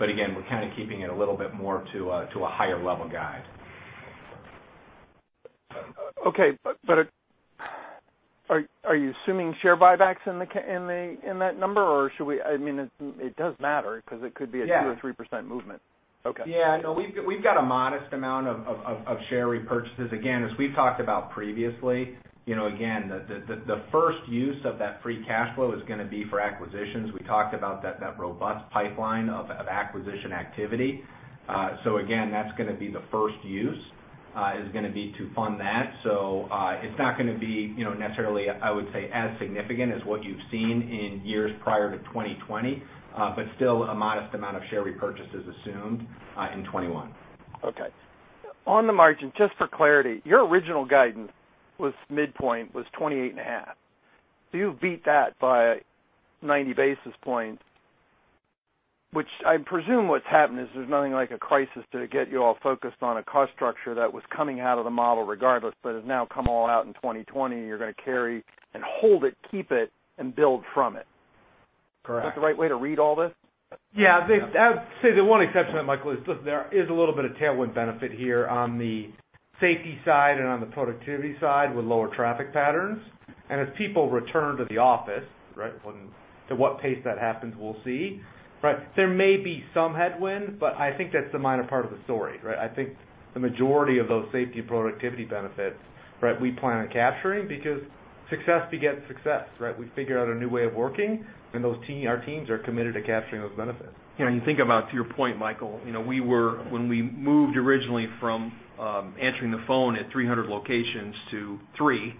Again, we're kind of keeping it a little bit more to a higher level guide. Okay. Are you assuming share buybacks in that number, or should we? It does matter, because it could be a-. Yeah 2% or 3% movement. Okay. Yeah. No, we've got a modest amount of share repurchases. As we've talked about previously, the first use of that free cash flow is going to be for acquisitions. We talked about that robust pipeline of acquisition activity. That's going to be the first use, is going to be to fund that. It's not going to be necessarily, I would say, as significant as what you've seen in years prior to 2020. Still, a modest amount of share repurchase is assumed in 2021. Okay. On the margin, just for clarity, your original guidance was midpoint was 28 and a half. You've beat that by 90 basis points, which I presume what's happened is there's nothing like a crisis to get you all focused on a cost structure that was coming out of the model regardless, but has now come all out in 2020, and you're going to carry and hold it, keep it, and build from it. Correct. Is that the right way to read all this? Yeah. I'd say the one exception, Michael, is look, there is a little bit of tailwind benefit here on the safety side and on the productivity side with lower traffic patterns. As people return to the office, right, and to what pace that happens, we'll see. Right. There may be some headwind, but I think that's the minor part of the story, right. I think the majority of those safety and productivity benefits, right, we plan on capturing because success begets success, right. We figure out a new way of working, and our teams are committed to capturing those benefits. You think about, to your point, Michael, when we moved originally from answering the phone at 300 locations to three,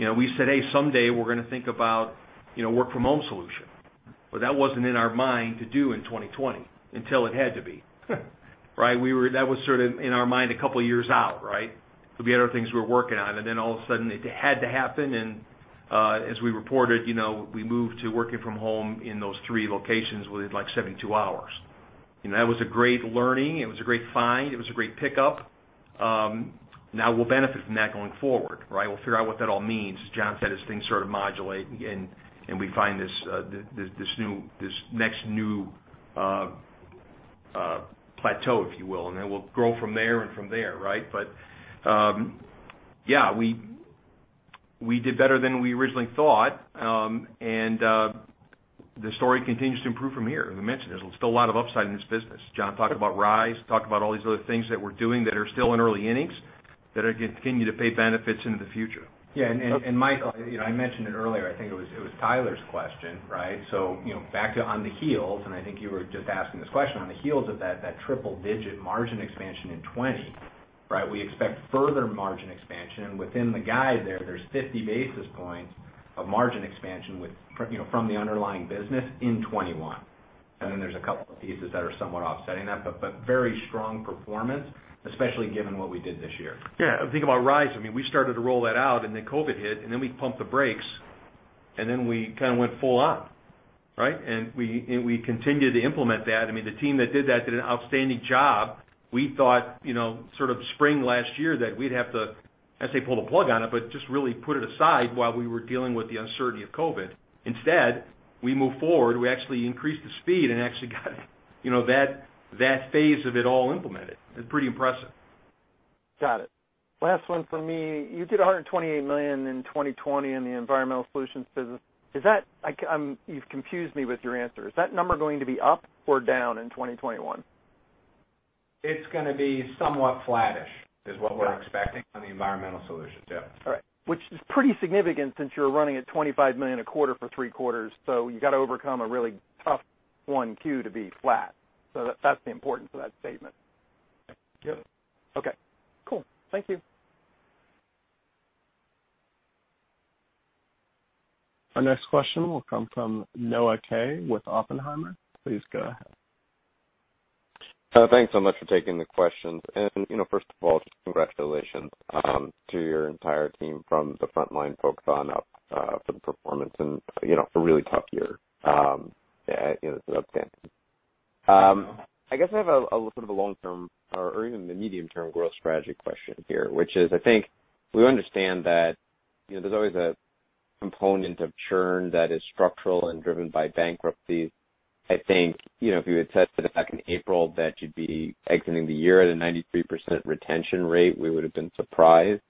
we said, "Hey, someday we're going to think about work-from-home solution." That wasn't in our mind to do in 2020, until it had to be. Right. That was sort of in our mind a couple of years out, right. We had other things we were working on, and then all of a sudden it had to happen, and as we reported, we moved to working from home in those three locations within, like, 72 hours. That was a great learning. It was a great find. It was a great pickup. We'll benefit from that going forward, right. We'll figure out what that all means, as Jon said, as things sort of modulate and we find this next new plateau, if you will. Then we'll grow from there and from there, right? Yeah, we did better than we originally thought, and the story continues to improve from here. As we mentioned, there's still a lot of upside in this business. Jon talked about RISE, talked about all these other things that we're doing that are still in early innings that are going to continue to pay benefits into the future. Michael, I mentioned it earlier, I think it was Tyler's question, right? Back on the heels, and I think you were just asking this question, on the heels of that triple digit margin expansion in 2020, right? We expect further margin expansion. Within the guide there's 50 basis points of margin expansion from the underlying business in 2021. There's a couple of pieces that are somewhat offsetting that. Very strong performance, especially given what we did this year. Think about RISE. We started to roll that out, and then COVID hit, and then we pumped the brakes, and then we kind of went full on, right. We continued to implement that. The team that did that did an outstanding job. We thought, sort of spring last year, that we'd have to, I'd say pull the plug on it, but just really put it aside while we were dealing with the uncertainty of COVID. Instead, we moved forward. We actually increased the speed and actually got that phase of it all implemented. It's pretty impressive. Got it. Last one from me. You did $128 million in 2020 in the Environmental Solutions business. You've confused me with your answer. Is that number going to be up or down in 2021? It's going to be somewhat flattish, is what we're expecting on the Environmental Solutions. Yeah. Which is pretty significant since you're running at $25 million a quarter for three quarters. You got to overcome a really tough 1Q to be flat. That's the importance of that statement. Yeah. Okay, cool. Thank you. Our next question will come from Noah Kaye with Oppenheimer & Co. Inc. Please go ahead. Thanks so much for taking the questions. First of all, just congratulations to your entire team from the frontline folks on up for the performance in a really tough year. It's outstanding. I guess I have a sort of a long-term, or even a medium-term growth strategy question here, which is, I think we understand that there's always a component of churn that is structural and driven by bankruptcies. I think if you had said to us back in April that you'd be exiting the year at a 93% retention rate, we would've been surprised.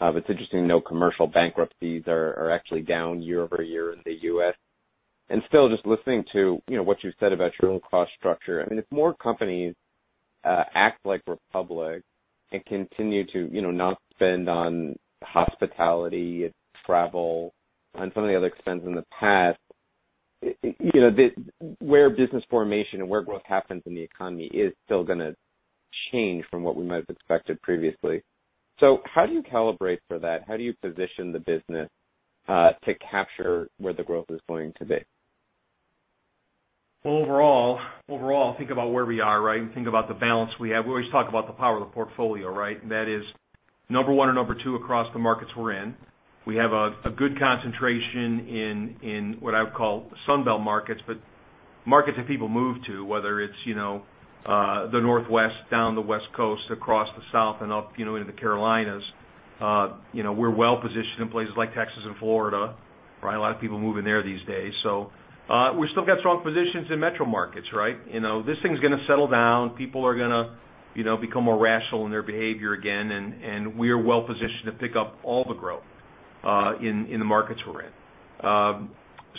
It's interesting, commercial bankruptcies are actually down year-over-year in the U.S. Still just listening to what you said about your own cost structure, if more companies act like Republic and continue to not spend on hospitality and travel and some of the other expense in the past. Where business formation and where growth happens in the economy is still going to change from what we might have expected previously. How do you calibrate for that? How do you position the business, to capture where the growth is going to be? Well, overall, think about where we are, right? Think about the balance we have. We always talk about the power of the portfolio, right? That is number one and number two across the markets we're in. We have a good concentration in what I would call Sun Belt markets, but markets that people move to, whether it's the Northwest, down the West Coast, across the South and up into the Carolinas. We're well-positioned in places like Texas and Florida, right? A lot of people are moving there these days. We've still got strong positions in metro markets, right? This thing's going to settle down. People are going to become more rational in their behavior again, and we are well-positioned to pick up all the growth in the markets we're in.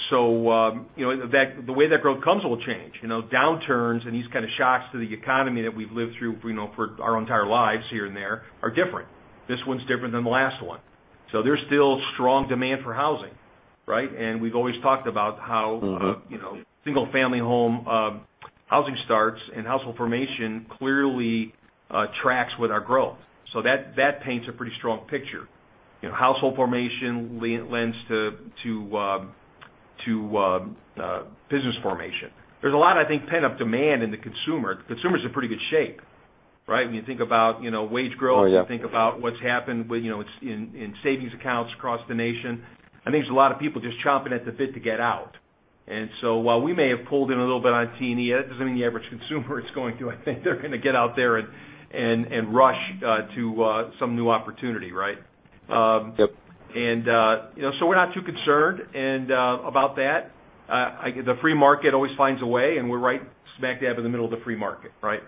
The way that growth comes will change. Downturns and these kind of shocks to the economy that we've lived through for our entire lives here and there are different. This one's different than the last one. There's still strong demand for housing, right? single-family home housing starts and household formation clearly tracks with our growth. That paints a pretty strong picture. Household formation lends to business formation. There's a lot, I think, pent-up demand in the consumer. The consumer's in pretty good shape, right? When you think about wage growth. Oh, yeah. When you think about what's happened in savings accounts across the nation, I think there's a lot of people just chomping at the bit to get out. While we may have pulled in a little bit on T&E, that doesn't mean the average consumer is going to. I think they're going to get out there and rush to some new opportunity, right? Yep. We're not too concerned about that. The free market always finds a way, and we're right smack dab in the middle of the free market, right?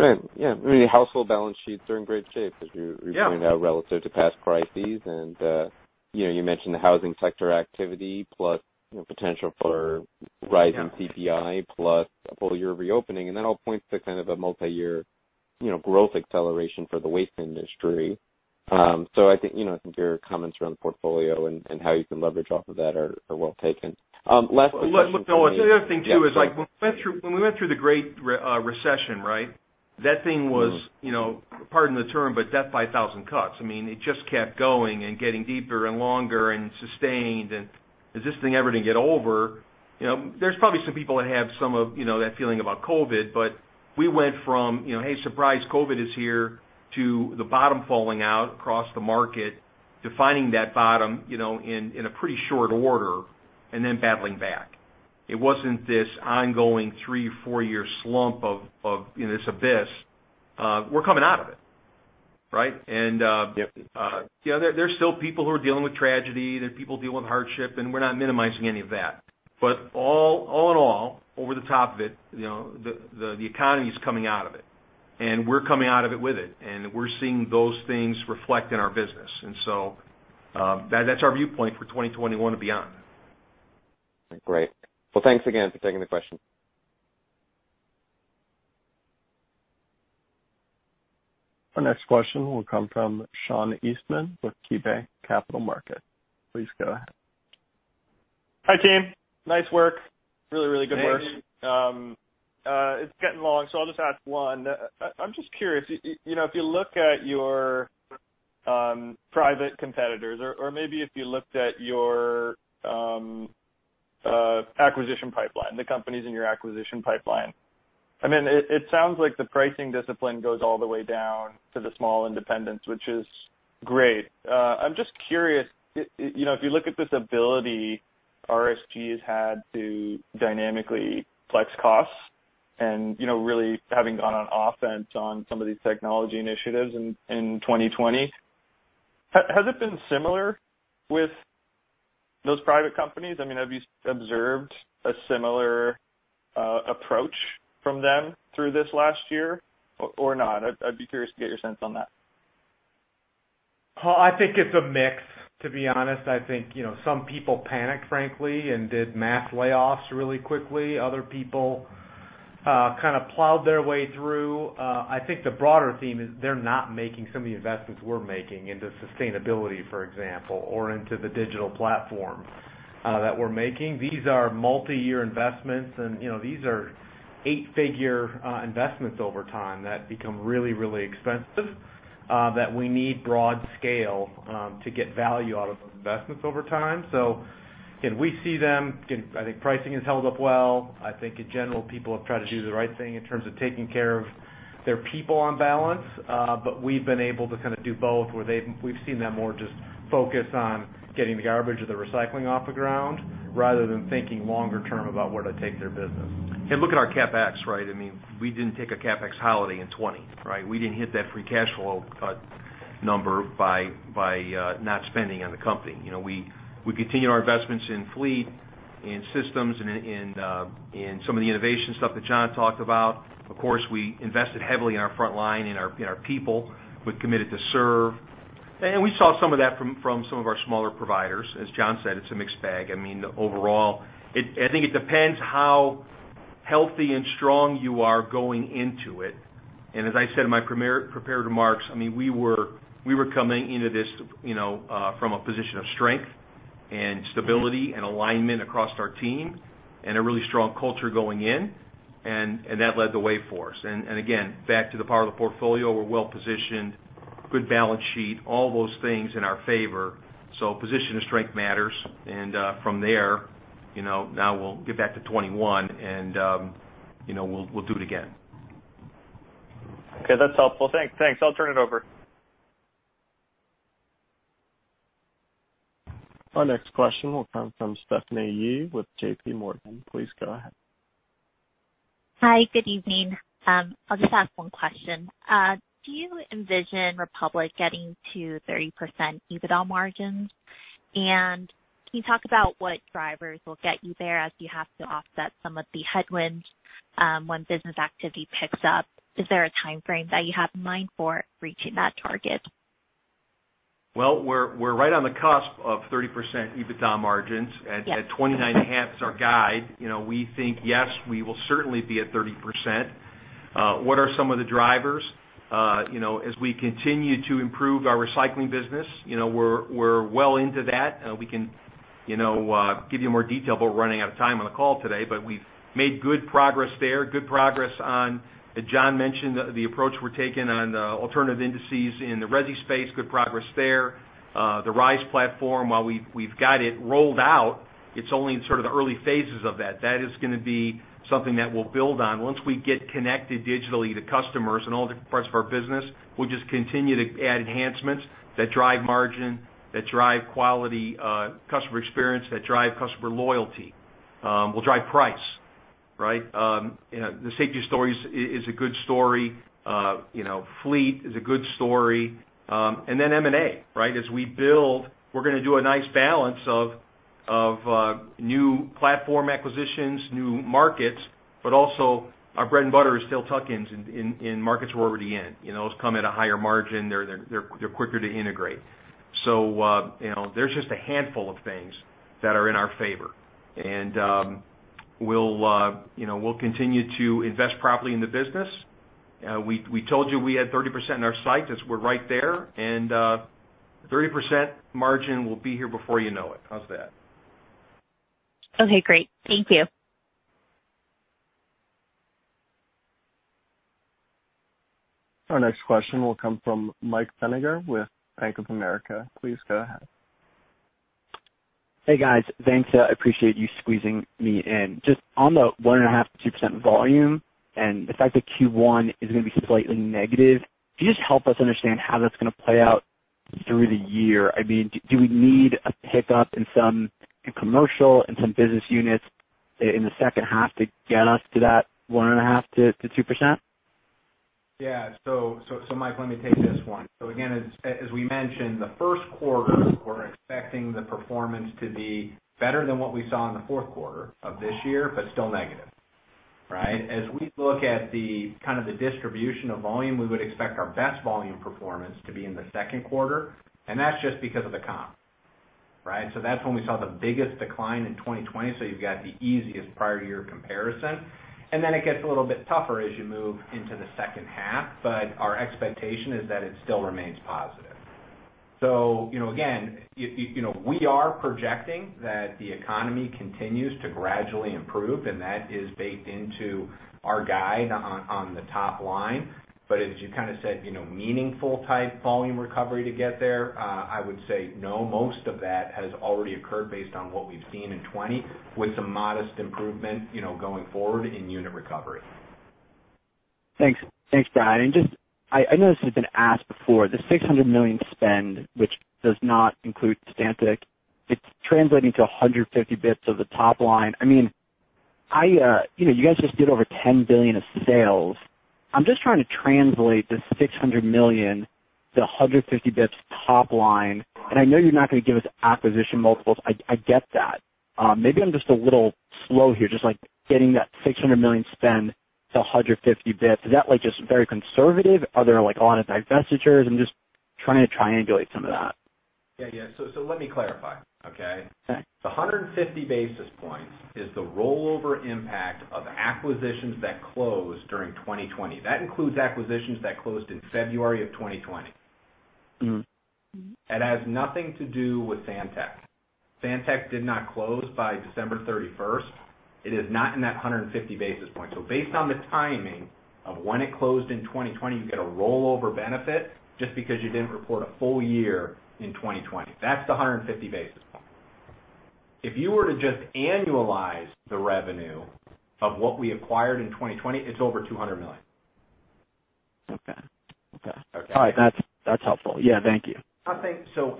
Right. Yeah. Household balance sheets are in great shape. Yeah as you were pointing out, relative to past crises. You mentioned the housing sector activity, plus potential for rise in CPI, plus a full year of reopening, and that all points to kind of a multi-year growth acceleration for the waste industry. I think your comments around the portfolio and how you can leverage off of that are well taken. Last question for me. Look, Noah, the other thing, too, is when we went through the Great Recession, right? That thing was, pardon the term, but death by 1,000 cuts. I mean, it just kept going and getting deeper and longer and sustained, "Is this thing ever going to get over?" There's probably some people that have some of that feeling about COVID, but we went from, "Hey, surprise, COVID is here," to the bottom falling out across the market, to finding that bottom in a pretty short order, then battling back. It wasn't this ongoing three, four-year slump of this abyss. We're coming out of it, right? Yep. There's still people who are dealing with tragedy, there's people dealing with hardship, and we're not minimizing any of that. All in all, over the top of it, the economy's coming out of it, and we're coming out of it with it, and we're seeing those things reflect in our business. That's our viewpoint for 2021 and beyond. Great. Well, thanks again for taking the question. Our next question will come from Sean Eastman with KeyBanc Capital Markets. Please go ahead. Hi, team. Nice work. Really good work. Hey. It's getting long, so I'll just ask one. I'm just curious, if you look at your private competitors, or maybe if you looked at your acquisition pipeline, the companies in your acquisition pipeline, it sounds like the pricing discipline goes all the way down to the small independents, which is great. I'm just curious, if you look at this ability RSG has had to dynamically flex costs and really having gone on offense on some of these technology initiatives in 2020, has it been similar with those private companies? Have you observed a similar approach from them through this last year, or not? I'd be curious to get your sense on that. I think it's a mix, to be honest. I think some people panicked, frankly, and did mass layoffs really quickly. Other people kind of plowed their way through. I think the broader theme is they're not making some of the investments we're making into sustainability, for example, or into the digital platform that we're making. These are multi-year investments, and these are eight-figure investments over time that become really, really expensive that we need broad scale to get value out of those investments over time. Again, we see them. I think pricing has held up well. I think in general, people have tried to do the right thing in terms of taking care of their people on balance. We've been able to kind of do both, where we've seen them more just focused on getting the garbage or the recycling off the ground rather than thinking longer term about where to take their business. Look at our CapEx, right? We didn't take a CapEx holiday in 2020, right? We didn't hit that free cash flow number by not spending on the company. We continued our investments in fleet, in systems, and in some of the innovation stuff that Jon talked about. Of course, we invested heavily in our frontline, in our people. We Committed to Serve. We saw some of that from some of our smaller providers. As Jon said, it's a mixed bag. Overall, I think it depends how- healthy and strong you are going into it. As I said in my prepared remarks, we were coming into this from a position of strength and stability and alignment across our team, and a really strong culture going in, and that led the way for us. Again, back to the power of the portfolio, we're well-positioned, good balance sheet, all those things in our favor. Position of strength matters. From there, now we'll get back to 2021, and we'll do it again. Okay. That's helpful. Thanks. I'll turn it over. Our next question will come from Stephanie Yee with JPMorgan. Please go ahead. Hi. Good evening. I'll just ask one question. Do you envision Republic getting to 30% EBITDA margins? Can you talk about what drivers will get you there as you have to offset some of the headwinds when business activity picks up? Is there a timeframe that you have in mind for reaching that target? Well, we're right on the cusp of 30% EBITDA margins. Yes. At 29.5 is our guide. We think, yes, we will certainly be at 30%. What are some of the drivers? As we continue to improve our recycling business, we're well into that. We can give you more detail, but we're running out of time on the call today. We've made good progress there. Good progress on, as Jon mentioned, the approach we're taking on the alternative indices in the resi space, good progress there. The RISE platform, while we've got it rolled out, it's only in sort of the early phases of that. That is going to be something that we'll build on. Once we get connected digitally to customers in all different parts of our business, we'll just continue to add enhancements that drive margin, that drive quality customer experience, that drive customer loyalty. Will drive price. The Safety Story is a good story. Fleet is a good story. M&A. As we build, we're going to do a nice balance of new platform acquisitions, new markets, but also our bread and butter is still tuck-ins in markets we're already in. Those come at a higher margin. They're quicker to integrate. There's just a handful of things that are in our favor. We'll continue to invest properly in the business. We told you we had 30% in our sights, as we're right there, and 30% margin will be here before you know it. How's that? Okay. Great. Thank you. Our next question will come from Michael Feniger with Bank of America. Please go ahead. Hey, guys. Thanks. I appreciate you squeezing me in. Just on the 1.5%-2% volume and the fact that Q1 is going to be slightly negative, can you just help us understand how that's going to play out through the year? Do we need a pickup in commercial and some business units in the second half to get us to that 1.5%-2%? Yeah. Mike, let me take this one. Again, as we mentioned, the first quarter, we're expecting the performance to be better than what we saw in the fourth quarter of this year, but still negative. As we look at the distribution of volume, we would expect our best volume performance to be in the second quarter, that's just because of the comp. That's when we saw the biggest decline in 2020, you've got the easiest prior year comparison. Then it gets a little bit tougher as you move into the second half, our expectation is that it still remains positive. Again, we are projecting that the economy continues to gradually improve, that is baked into our guide on the top line. As you kind of said, meaningful type volume recovery to get there, I would say no. Most of that has already occurred based on what we've seen in 2020, with some modest improvement going forward in unit recovery. Thanks, Brian. I know this has been asked before, the $600 million spend, which does not include Santek, it's translating to 150 basis points of the top line. You guys just did over $10 billion of sales. I'm just trying to translate the $600 million to 150 basis points top line. I know you're not going to give us acquisition multiples. I get that. Maybe I'm just a little slow here, just getting that $600 million spend to 150 basis points. Is that just very conservative? Are there a lot of divestitures? I'm just trying to triangulate some of that. Yeah. Let me clarify, okay? Okay. The 150 basis points is the rollover impact of acquisitions that closed during 2020. That includes acquisitions that closed in February of 2020. It has nothing to do with Santek. Santek did not close by December 31st. It is not in that 150 basis points. Based on the timing of when it closed in 2020, you get a rollover benefit just because you didn't report a full year in 2020. That's the 150 basis points. If you were to just annualize the revenue of what we acquired in 2020, it's over $200 million. Okay. Okay? All right. That's helpful. Yeah, thank you.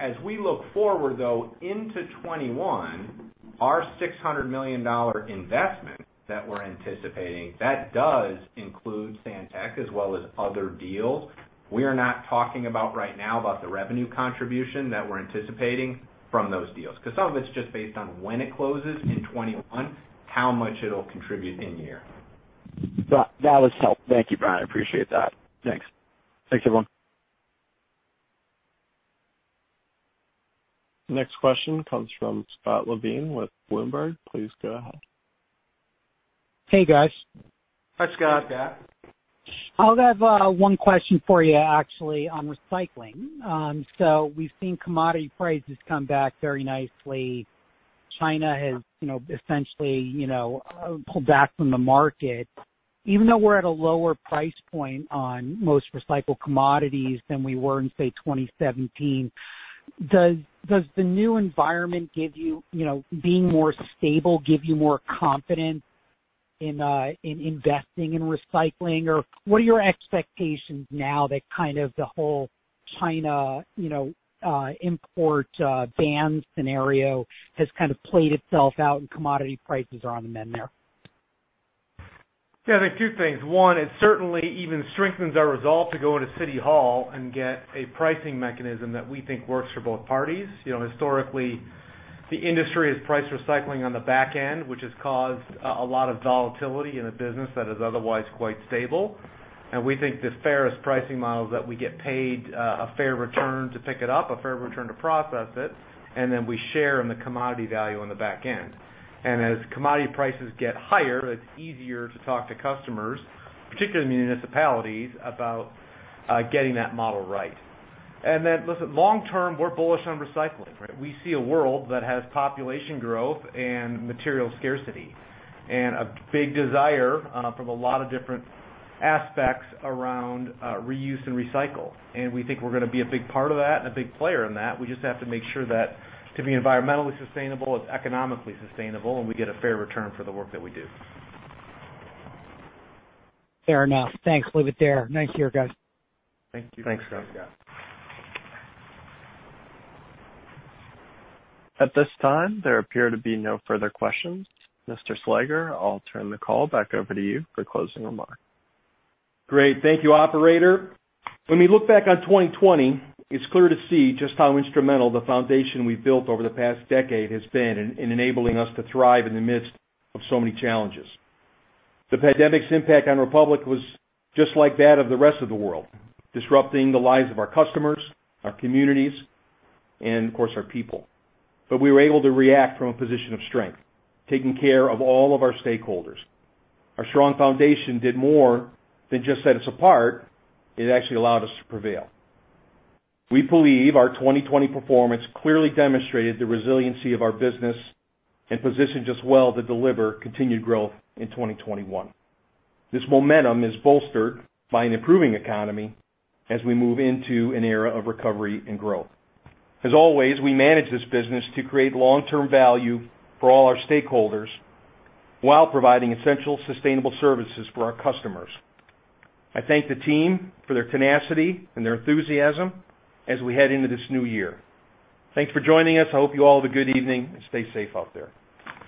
As we look forward, though, into 2021, our $600 million investment that we're anticipating, that does include Santek as well as other deals. We are not talking about right now about the revenue contribution that we're anticipating from those deals, because some of it's just based on when it closes in 2021, how much it'll contribute in year. That was helpful. Thank you, Brian. I appreciate that. Thanks. Thanks, everyone. Next question comes from Scott Levine with Bloomberg. Please go ahead. Hey, guys. Hi, Scott. Hi, Scott. I have one question for you, actually, on recycling. We've seen commodity prices come back very nicely. China has essentially pulled back from the market. Even though we're at a lower price point on most recycled commodities than we were in, say, 2017, does the new environment being more stable give you more confidence in investing in recycling? What are your expectations now that the whole China import ban scenario has played itself out and commodity prices are on the mend there? Yeah, I think two things. One, it certainly even strengthens our resolve to go into city hall and get a pricing mechanism that we think works for both parties. Historically, the industry has priced recycling on the back end, which has caused a lot of volatility in a business that is otherwise quite stable. We think the fairest pricing model is that we get paid a fair return to pick it up, a fair return to process it, and then we share in the commodity value on the back end. As commodity prices get higher, it's easier to talk to customers, particularly in the municipalities, about getting that model right. Then, listen, long term, we're bullish on recycling, right? We see a world that has population growth and material scarcity, and a big desire from a lot of different aspects around reuse and recycle. We think we're going to be a big part of that and a big player in that. We just have to make sure that to be environmentally sustainable, it's economically sustainable, and we get a fair return for the work that we do. Fair enough. Thanks. Leave it there. Nice to hear, guys. Thank you. Thanks, Scott. At this time, there appear to be no further questions. Mr. Slager, I'll turn the call back over to you for closing remarks. Great. Thank you, operator. When we look back on 2020, it's clear to see just how instrumental the foundation we've built over the past decade has been in enabling us to thrive in the midst of so many challenges. The pandemic's impact on Republic was just like that of the rest of the world, disrupting the lives of our customers, our communities, and, of course, our people. We were able to react from a position of strength, taking care of all of our stakeholders. Our strong foundation did more than just set us apart. It actually allowed us to prevail. We believe our 2020 performance clearly demonstrated the resiliency of our business and positioned us well to deliver continued growth in 2021. This momentum is bolstered by an improving economy as we move into an era of recovery and growth. As always, we manage this business to create long-term value for all our stakeholders while providing essential sustainable services for our customers. I thank the team for their tenacity and their enthusiasm as we head into this new year. Thanks for joining us. I hope you all have a good evening, and stay safe out there.